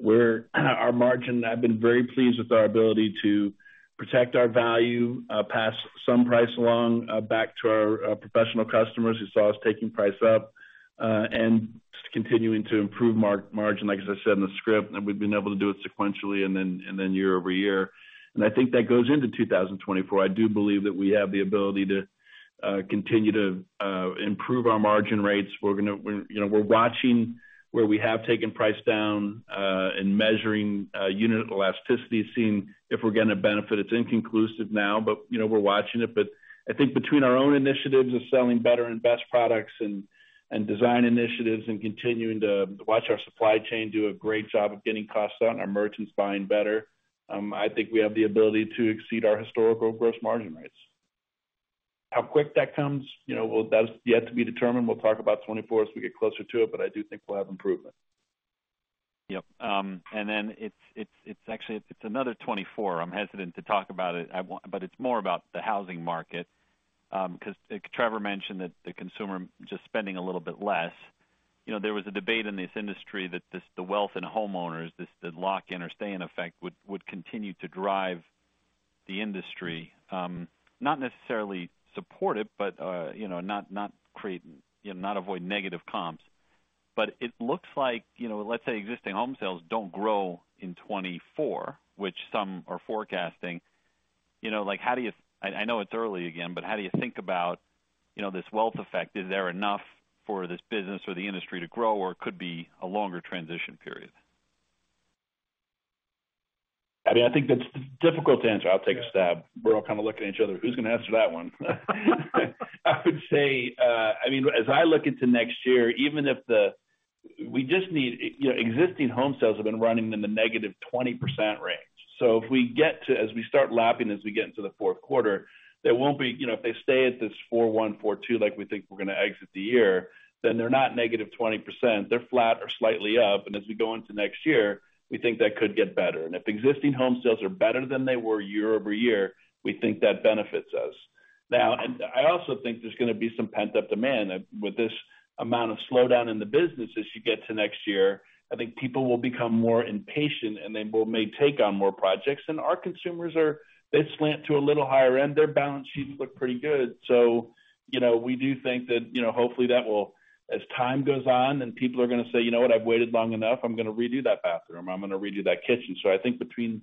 We're, our margin... I've been very pleased with our ability to protect our value, pass some price along, back to our professional customers who saw us taking price up, and continuing to improve margin, like, as I said in the script, and we've been able to do it sequentially and then, and then year-over-year. And I think that goes into 2024. I do believe that we have the ability to continue to improve our margin rates. We're gonna, we're, you know, we're watching where we have taken price down, and measuring unit elasticity, seeing if we're gonna benefit. It's inconclusive now, but, you know, we're watching it. I think between our own initiatives of selling better and best products and, and design initiatives, and continuing to watch our supply chain do a great job of getting costs down, our merchants buying better, I think we have the ability to exceed our historical gross margin rates. How quick that comes, you know, well, that's yet to be determined. We'll talk about 2024 as we get closer to it, but I do think we'll have improvement. Yep. Then it's, it's, it's actually, it's another 2024. I'm hesitant to talk about it. I want, but it's more about the housing market, 'cause like Trevor mentioned, that the consumer just spending a little bit less. You know, there was a debate in this industry that this, the wealth and homeowners, this, the lock in or stay in effect, would, would continue to drive the industry, not necessarily support it, but, you know, not, not create, you know, not avoid negative comps. It looks like, you know, let's say existing home sales don't grow in 2024, which some are forecasting. You know, like, how do you? I, I know it's early again, but how do you think about, you know, this wealth effect? Is there enough for this business or the industry to grow, or it could be a longer transition period? I mean, I think that's difficult to answer. I'll take a stab. We're all kind of looking at each other, who's gonna answer that one? I would say, I mean, as I look into next year, even if we just need, you know, existing home sales have been running in the negative 20% range. If we get to, as we start lapping, as we get into the fourth quarter, you know, if they stay at this 4.1, 4.2, like we think we're gonna exit the year, then they're not negative 20%. They're flat or slightly up, as we go into next year, we think that could get better. If existing home sales are better than they were year-over-year, we think that benefits us. Now, I also think there's gonna be some pent-up demand. With this amount of slowdown in the business as you get to next year, I think people will become more impatient and they will may take on more projects. Our consumers are, they slant to a little higher end. Their balance sheets look pretty good. We do think that, you know, hopefully that will, as time goes on and people are gonna say, "You know what? I've waited long enough. I'm gonna redo that bathroom. I'm gonna redo that kitchen." I think between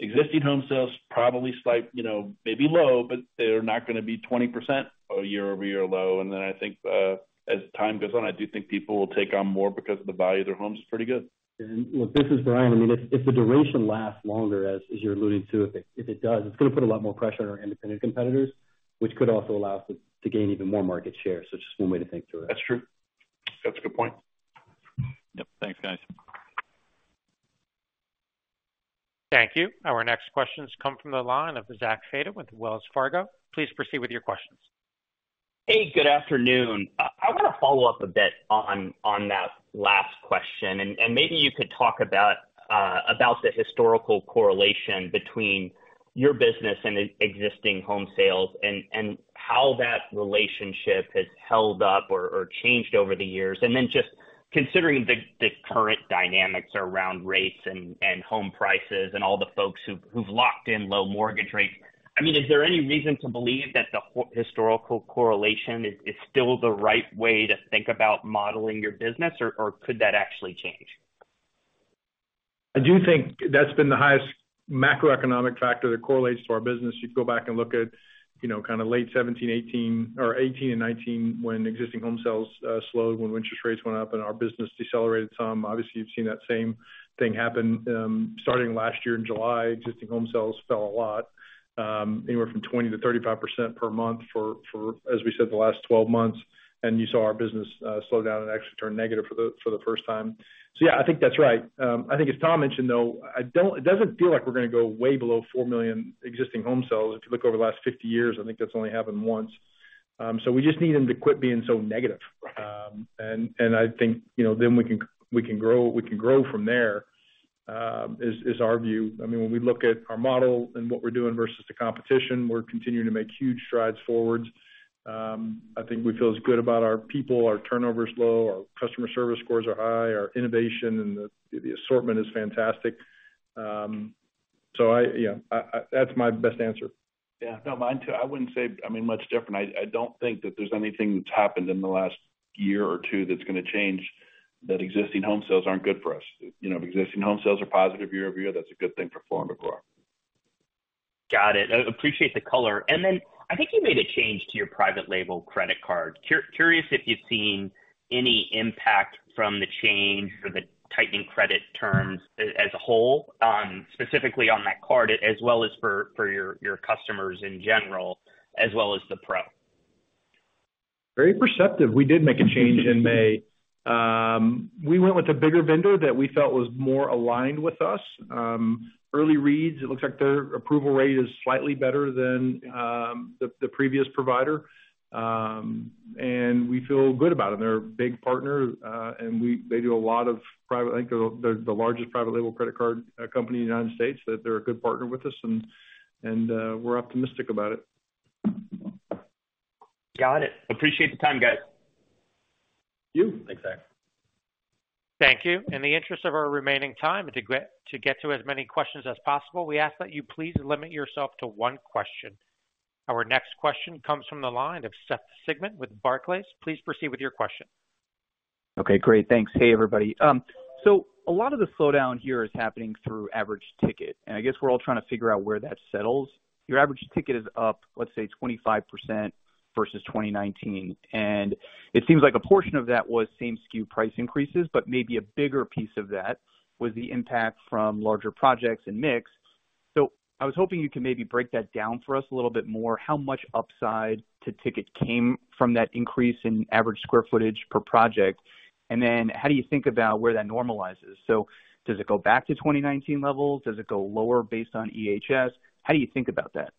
existing home sales, probably slight, you know, maybe low, but they're not gonna be 20% year-over-year low. Then I think, as time goes on, I do think people will take on more because the value of their homes is pretty good. Look, this is Brian. I mean, if, if the duration lasts longer, as, as you're alluding to, if it, if it does, it's gonna put a lot more pressure on our independent competitors, which could also allow us to gain even more market share. Just one way to think through it. That's true. That's a good point. Yep. Thanks, guys. Thank you. Our next questions come from the line of Zach Fadem, with Wells Fargo. Please proceed with your questions. Hey, good afternoon. I wanna follow up a bit on that last question, maybe you could talk about the historical correlation between your business and existing home sales and how that relationship has held up or changed over the years. Then just considering the current dynamics around rates and home prices and all the folks who've locked in low mortgage rates, I mean, is there any reason to believe that the historical correlation still the right way to think about modeling your business, or could that actually change? I do think that's been the highest macroeconomic factor that correlates to our business. You go back and look at, you know, kind of late 2017, 2018 or 2018 and 2019 when existing home sales slowed, when interest rates went up and our business decelerated some. Obviously, you've seen that same thing happen, starting last year in July, existing home sales fell a lot, anywhere from 20%-35% per month for as we said, the last 12 months. You saw our business slow down and actually turn negative for the first time. Yeah, I think that's right. I think as Tom mentioned, though, I don't, it doesn't feel like we're gonna go way below 4 million existing home sales. If you look over the last 50 years, I think that's only happened once. We just need them to quit being so negative. And I think, you know, then we can, we can grow, we can grow from there, is our view. I mean, when we look at our model and what we're doing versus the competition, we're continuing to make huge strides forward. I think we feel as good about our people, our turnover is low, our customer service scores are high, our innovation and the assortment is fantastic. I, yeah, I, I, that's my best answer. Yeah. No, mine too. I wouldn't say, I mean, much different. I, I don't think that there's anything that's happened in the last year or two that's gonna change, that existing home sales aren't good for us. You know, if existing home sales are positive year-over-year, that's a good thing for Form to grow. Got it. I appreciate the color. Then I think you made a change to your private label credit card. Curious if you've seen any impact from the change or the tightening credit terms as a whole, specifically on that card, as well as for, for your, your customers in general, as well as the pro? Very perceptive. We did make a change in May. We went with a bigger vendor that we felt was more aligned with us. Early reads, it looks like their approval rate is slightly better than the previous provider. We feel good about them. They're a big partner. I think they're the largest private label credit card company in the United States, that they're a good partner with us, and we're optimistic about it. Got it. Appreciate the time, guys. Thank you. Thanks, Zach. Thank you. In the interest of our remaining time to get, to get to as many questions as possible, we ask that you please limit yourself to one question. Our next question comes from the line of Seth Sigman with Barclays. Please proceed with your question. Okay, great. Thanks. Hey, everybody. A lot of the slowdown here is happening through average ticket. I guess we're all trying to figure out where that settles. Your average ticket is up, let's say, 25% versus 2019. It seems like a portion of that was same SKU price increases, maybe a bigger piece of that was the impact from larger projects and mix. I was hoping you could maybe break that down for us a little bit more. How much upside to ticket came from that increase in average square footage per project? How do you think about where that normalizes? Does it go back to 2019 levels? Does it go lower based on EHS? How do you think about that? ...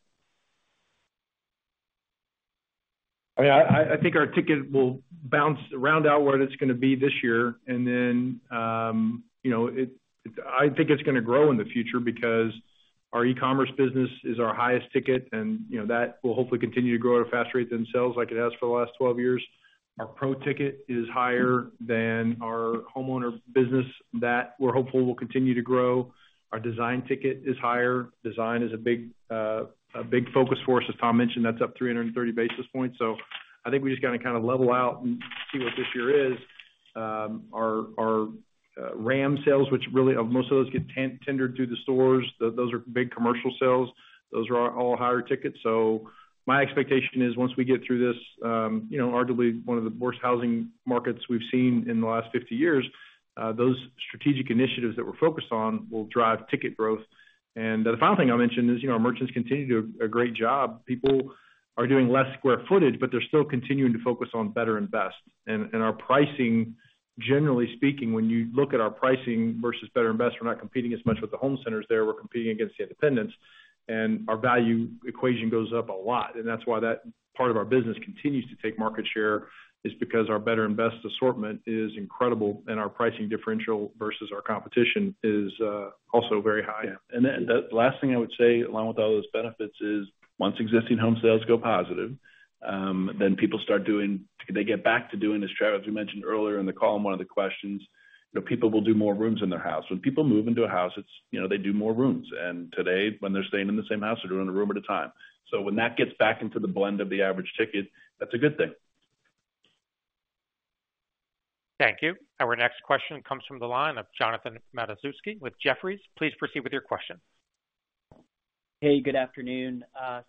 I think our ticket will bounce around out what it's going to be this year, and then, you know, I think it's going to grow in the future because our e-commerce business is our highest ticket, and, you know, that will hopefully continue to grow at a faster rate than sales, like it has for the last 12 years. Our pro ticket is higher than our homeowner business that we're hopeful will continue to grow. Our design ticket is higher. Design is a big focus for us. As Tom mentioned, that's up 330 basis points. I think we just got to kind of level out and see what this year is. Our RAM sales, which really, most of those get tendered through the stores. Those are big commercial sales. Those are all higher tickets. My expectation is once we get through this, you know, arguably one of the worst housing markets we've seen in the last 50 years, those strategic initiatives that we're focused on will drive ticket growth. The final thing I'll mention is, you know, our merchants continue to do a great job. People are doing less square footage, but they're still continuing to focus on better and best. Our pricing, generally speaking, when you look at our pricing versus better and best, we're not competing as much with the home centers there. We're competing against the independents, and our value equation goes up a lot. That's why that part of our business continues to take market share, is because our better and best assortment is incredible, and our pricing differential versus our competition is also very high. Then the last thing I would say, along with all those benefits, is once existing home sales go positive, then people start doing. They get back to doing, as Travis, we mentioned earlier in the call, in one of the questions, you know, people will do more rooms in their house. When people move into a house, it's, you know, they do more rooms, and today, when they're staying in the same house, they're doing a room at a time. When that gets back into the blend of the average ticket, that's a good thing. Thank you. Our next question comes from the line of Jonathan Matuszewski with Jefferies. Please proceed with your question. Hey, good afternoon.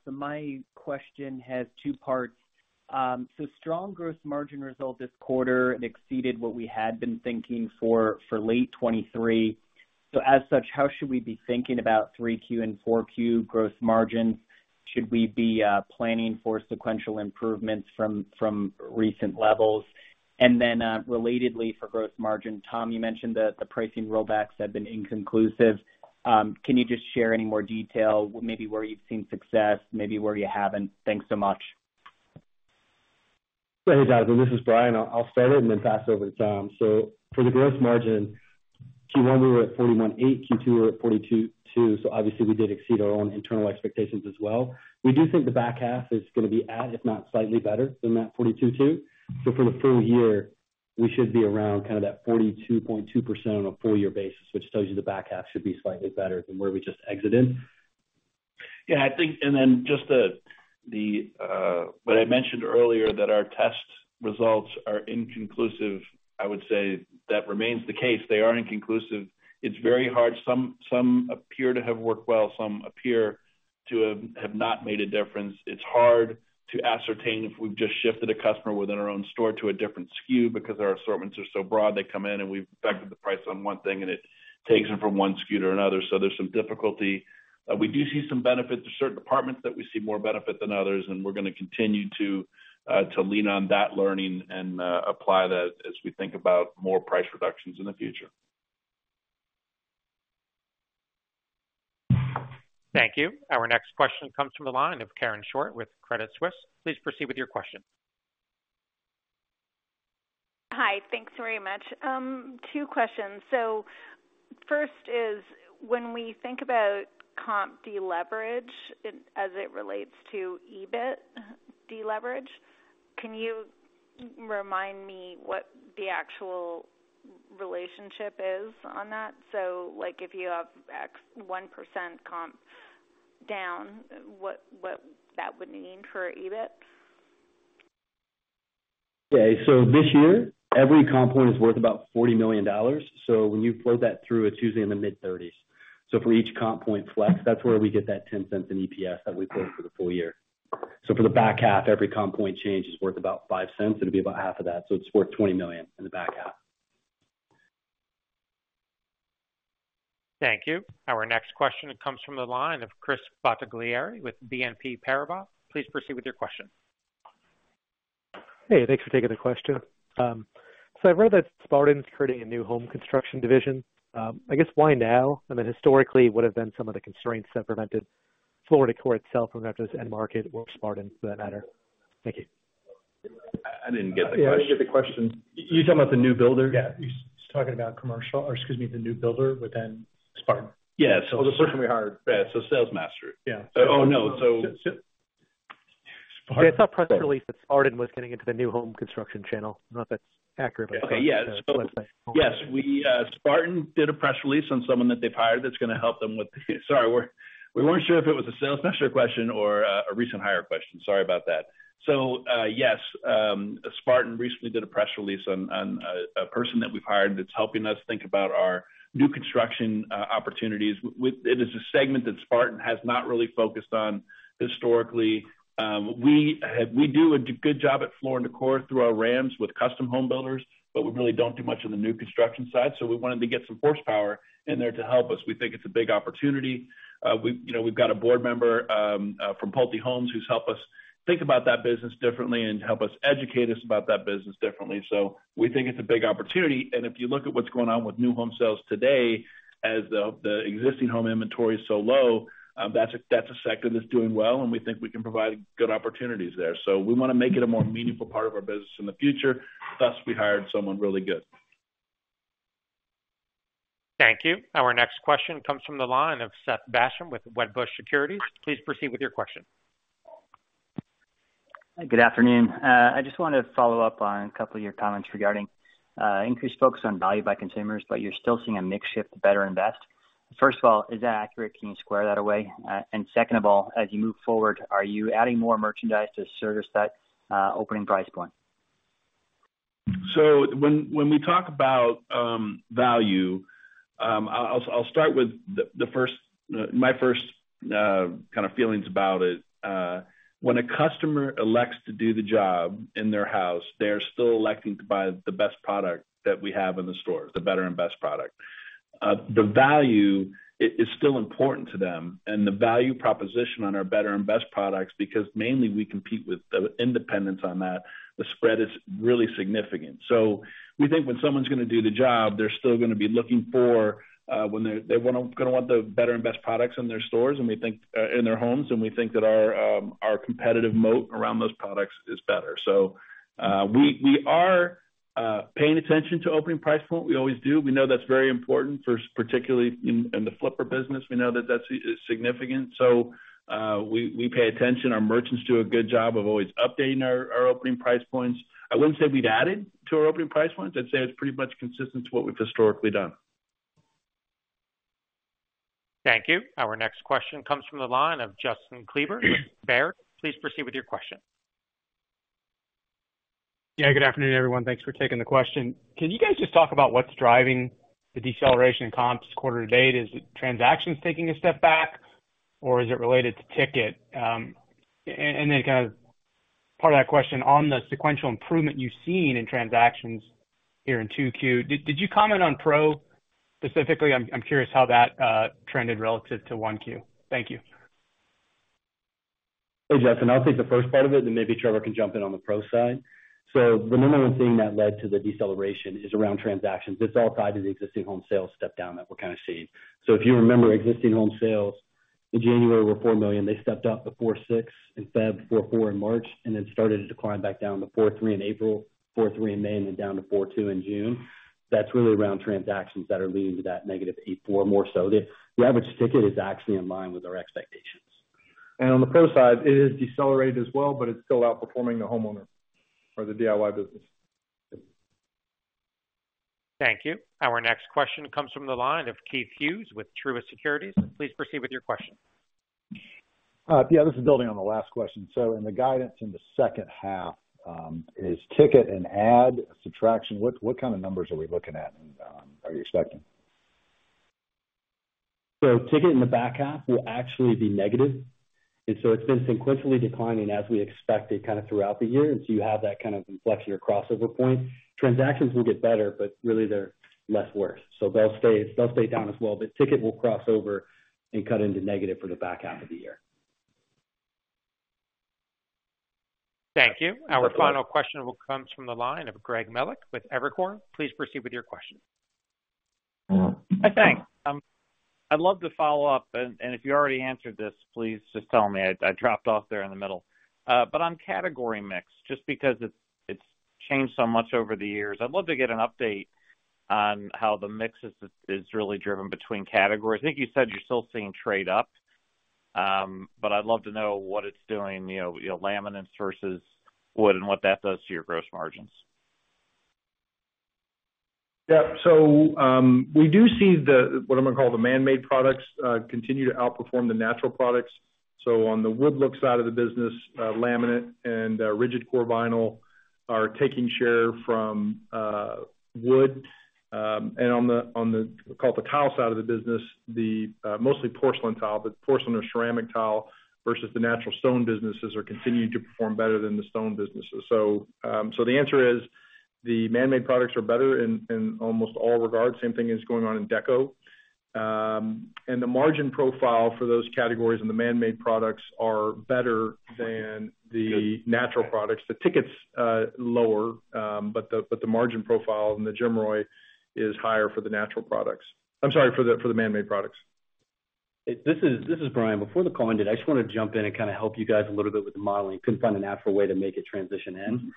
My question has two parts. Strong gross margin result this quarter, it exceeded what we had been thinking for, for late 2023. As such, how should we be thinking about 3Q and 4Q gross margin? Should we be planning for sequential improvements from, from recent levels? Then relatedly, for gross margin, Tom, you mentioned that the pricing rollbacks have been inconclusive. Can you just share any more detail, maybe where you've seen success, maybe where you haven't? Thanks so much. Hey, Jonathan, this is Brian. I'll start it and then pass it over to Tom. For the gross margin, Q1, we were at 41.8%, Q2, we're at 42.2%, so obviously we did exceed our own internal expectations as well. We do think the back half is going to be at, if not slightly better than that 42.2%. For the full year, we should be around kind of that 42.2% on a full year basis, which tells you the back half should be slightly better than where we just exited. Yeah, I think. Then just the, the, what I mentioned earlier, that our test results are inconclusive. I would say that remains the case. They are inconclusive. It's very hard. Some, some appear to have worked well, some appear to have, have not made a difference. It's hard to ascertain if we've just shifted a customer within our own store to a different SKU, because our assortments are so broad, they come in and we've affected the price on one thing, and it takes them from one SKU to another. There's some difficulty. We do see some benefit to certain departments that we see more benefit than others, and we're going to continue to lean on that learning and apply that as we think about more price reductions in the future. Thank you. Our next question comes from the line of Karen Short with Credit Suisse. Please proceed with your question. Hi, thanks very much. 2 questions. First is, when we think about comp deleverage as it relates to EBIT deleverage, can you remind me what the actual relationship is on that? Like, if you have X 1% comp down, what, what that would mean for EBIT? This year, every comp point is worth about $40 million. When you flow that through, it's usually in the mid-30s. For each comp point flex, that's where we get that $0.10 in EPS that we flow for the full year. For the back half, every comp point change is worth about $0.05. It'll be about half of that, so it's worth $20 million in the back half. Thank you. Our next question comes from the line of Chris Bottiglieri with BNP Paribas. Please proceed with your question. Hey, thanks for taking the question. I've read that Spartan's creating a new home construction division. I guess, why now? I mean, historically, what have been some of the constraints that prevented Floor & Decor itself from entering this end market or Spartan, for that matter? Thank you. I didn't get the question. I didn't get the question. You talking about the new builder? Yeah, he's talking about commercial, or excuse me, the new builder within Spartan. Yeah. The person we hired. Yeah, Salesmaster. Yeah. Oh, no. Yeah, I saw a press release that Spartan was getting into the new home construction channel. I don't know if that's accurate. Okay. Yeah. Yes, we, Spartan did a press release on someone that they've hired that's going to help them with. Sorry, we're, we weren't sure if it was a Salesmaster question or a recent hire question. Sorry about that. Yes, Spartan recently did a press release on a person that we've hired that's helping us think about our new construction opportunities. It is a segment that Spartan has not really focused on historically. We do a good job at Floor & Decor through our RAMs with custom home builders, but we really don't do much on the new construction side. We wanted to get some horsepower in there to help us. We think it's a big opportunity. We, you know, we've got a board member, from PulteGroup, Inc., who's helped us think about that business differently and help us educate us about that business differently. We think it's a big opportunity. If you look at what's going on with new home sales today, as the existing home inventory is so low, that's a, that's a sector that's doing well, and we think we can provide good opportunities there. We want to make it a more meaningful part of our business in the future, thus, we hired someone really good. Thank you. Our next question comes from the line of Seth Basham with Wedbush Securities. Please proceed with your question. Good afternoon. I just wanted to follow up on a couple of your comments regarding increased focus on value by consumers, but you're still seeing a mix shift to better and best. First of all, is that accurate? Can you square that away? Second of all, as you move forward, are you adding more merchandise to service that opening price point? When, when we talk about value, I'll, I'll start with the, my first kind of feelings about it. When a customer elects to do the job in their house, they're still electing to buy the best product that we have in the store, the better and best product. The value is still important to them and the value proposition on our better and best products, because mainly we compete with the independents on that, the spread is really significant. We think when someone's going to do the job, they're still going to be looking for, they want to gonna want the better and best products in their stores, and we think, in their homes, and we think that our, our competitive moat around those products is better. We are paying attention to opening price point. We always do. We know that's very important, first, particularly in the flipper business. We know that that's significant. We pay attention. Our merchants do a good job of always updating our opening price points. I wouldn't say we've added to our opening price points. I'd say it's pretty much consistent to what we've historically done. Thank you. Our next question comes from the line of Justin Kleber with Baird. Please proceed with your question. Yeah, good afternoon, everyone. Thanks for taking the question. Can you guys just talk about what's driving the deceleration in comps quarter to date? Is it transactions taking a step back, or is it related to ticket? Then, kind of, part of that question on the sequential improvement you've seen in transactions here in 2Q. Did, did you comment on Pro specifically? I'm, I'm curious how that trended relative to 1Q. Thank you. Hey, Justin, I'll take the first part of it, maybe Trevor can jump in on the Pro side. The number 1 thing that led to the deceleration is around transactions. It's all tied to the existing home sales step down that we're kind of seeing. If you remember, existing home sales in January were $4 million. They stepped up to $4.6 million in February, $4.4 million in March, then started to decline back down to $4.3 million in April, $4.3 million in May, then down to $4.2 million in June. That's really around transactions that are leading to that -8.4%, more so. The average ticket is actually in line with our expectations. On the Pro side, it has decelerated as well, but it's still outperforming the homeowner or the DIY business. Thank you. Our next question comes from the line of Keith Hughes with Truist Securities. Please proceed with your question. Yeah, this is building on the last question. In the guidance in the second half, is ticket an add, a subtraction? What kind of numbers are we looking at and are you expecting? Ticket in the back half will actually be negative, and so it's been sequentially declining, as we expected, kind of throughout the year. You have that kind of inflection or crossover point. Transactions will get better, but really, they're less worse, so they'll stay down as well, but ticket will cross over and cut into negative for the back half of the year. Thank you. Our final question comes from the line of Greg Melich with Evercore. Please proceed with your question. Thanks. I'd love to follow up, and if you already answered this, please just tell me. I dropped off there in the middle. On category mix, just because it's changed so much over the years, I'd love to get an update on how the mix is really driven between categories. I think you said you're still seeing trade up, but I'd love to know what it's doing, you know, laminates versus wood, and what that does to your gross margins. Yeah. We do see the, what I'm going to call the man-made products, continue to outperform the natural products. On the wood-look side of the business, laminate and rigid core vinyl are taking share from wood. On the, on the, call it the tile side of the business, the mostly porcelain tile, but porcelain or ceramic tile versus the natural stone businesses are continuing to perform better than the stone businesses. The answer is, the man-made products are better in, in almost all regards. Same thing is going on in deco. The margin profile for those categories in the man-made products are better than the natural products. The ticket's lower, but the, but the margin profile and the GM ROI is higher for the natural products, I'm sorry, for the, for the man-made products. This is Brian. Before the call ended, I just want to jump in and kind of help you guys a little bit with the modeling. Couldn't find a natural way to make it transition in.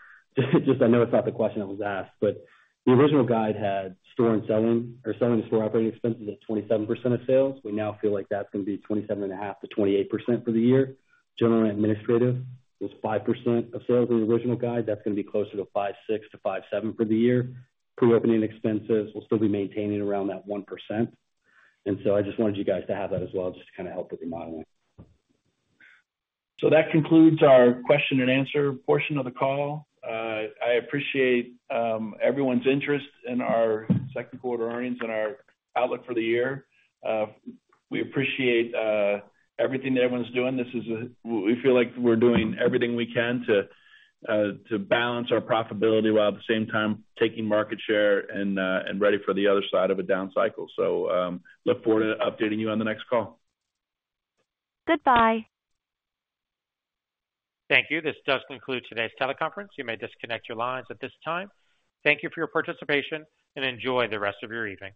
Just, I know it's not the question that was asked, but the original guide had store and selling or selling and store operating expenses at 27% of sales. We now feel like that's going to be 27.5%-28% for the year. General administrative was 5% of sales in the original guide. That's going to be closer to 5.6%-5.7% for the year. Pre-opening expenses will still be maintaining around that 1%. I just wanted you guys to have that as well, just to kind of help with the modeling. That concludes our question-and-answer portion of the call. I appreciate everyone's interest in our second quarter earnings and our outlook for the year. We appreciate everything that everyone's doing. This is we feel like we're doing everything we can to balance our profitability while at the same time taking market share and ready for the other side of a down cycle. Look forward to updating you on the next call. Goodbye. Thank you. This does conclude today's teleconference. You may disconnect your lines at this time. Thank you for your participation. Enjoy the rest of your evening.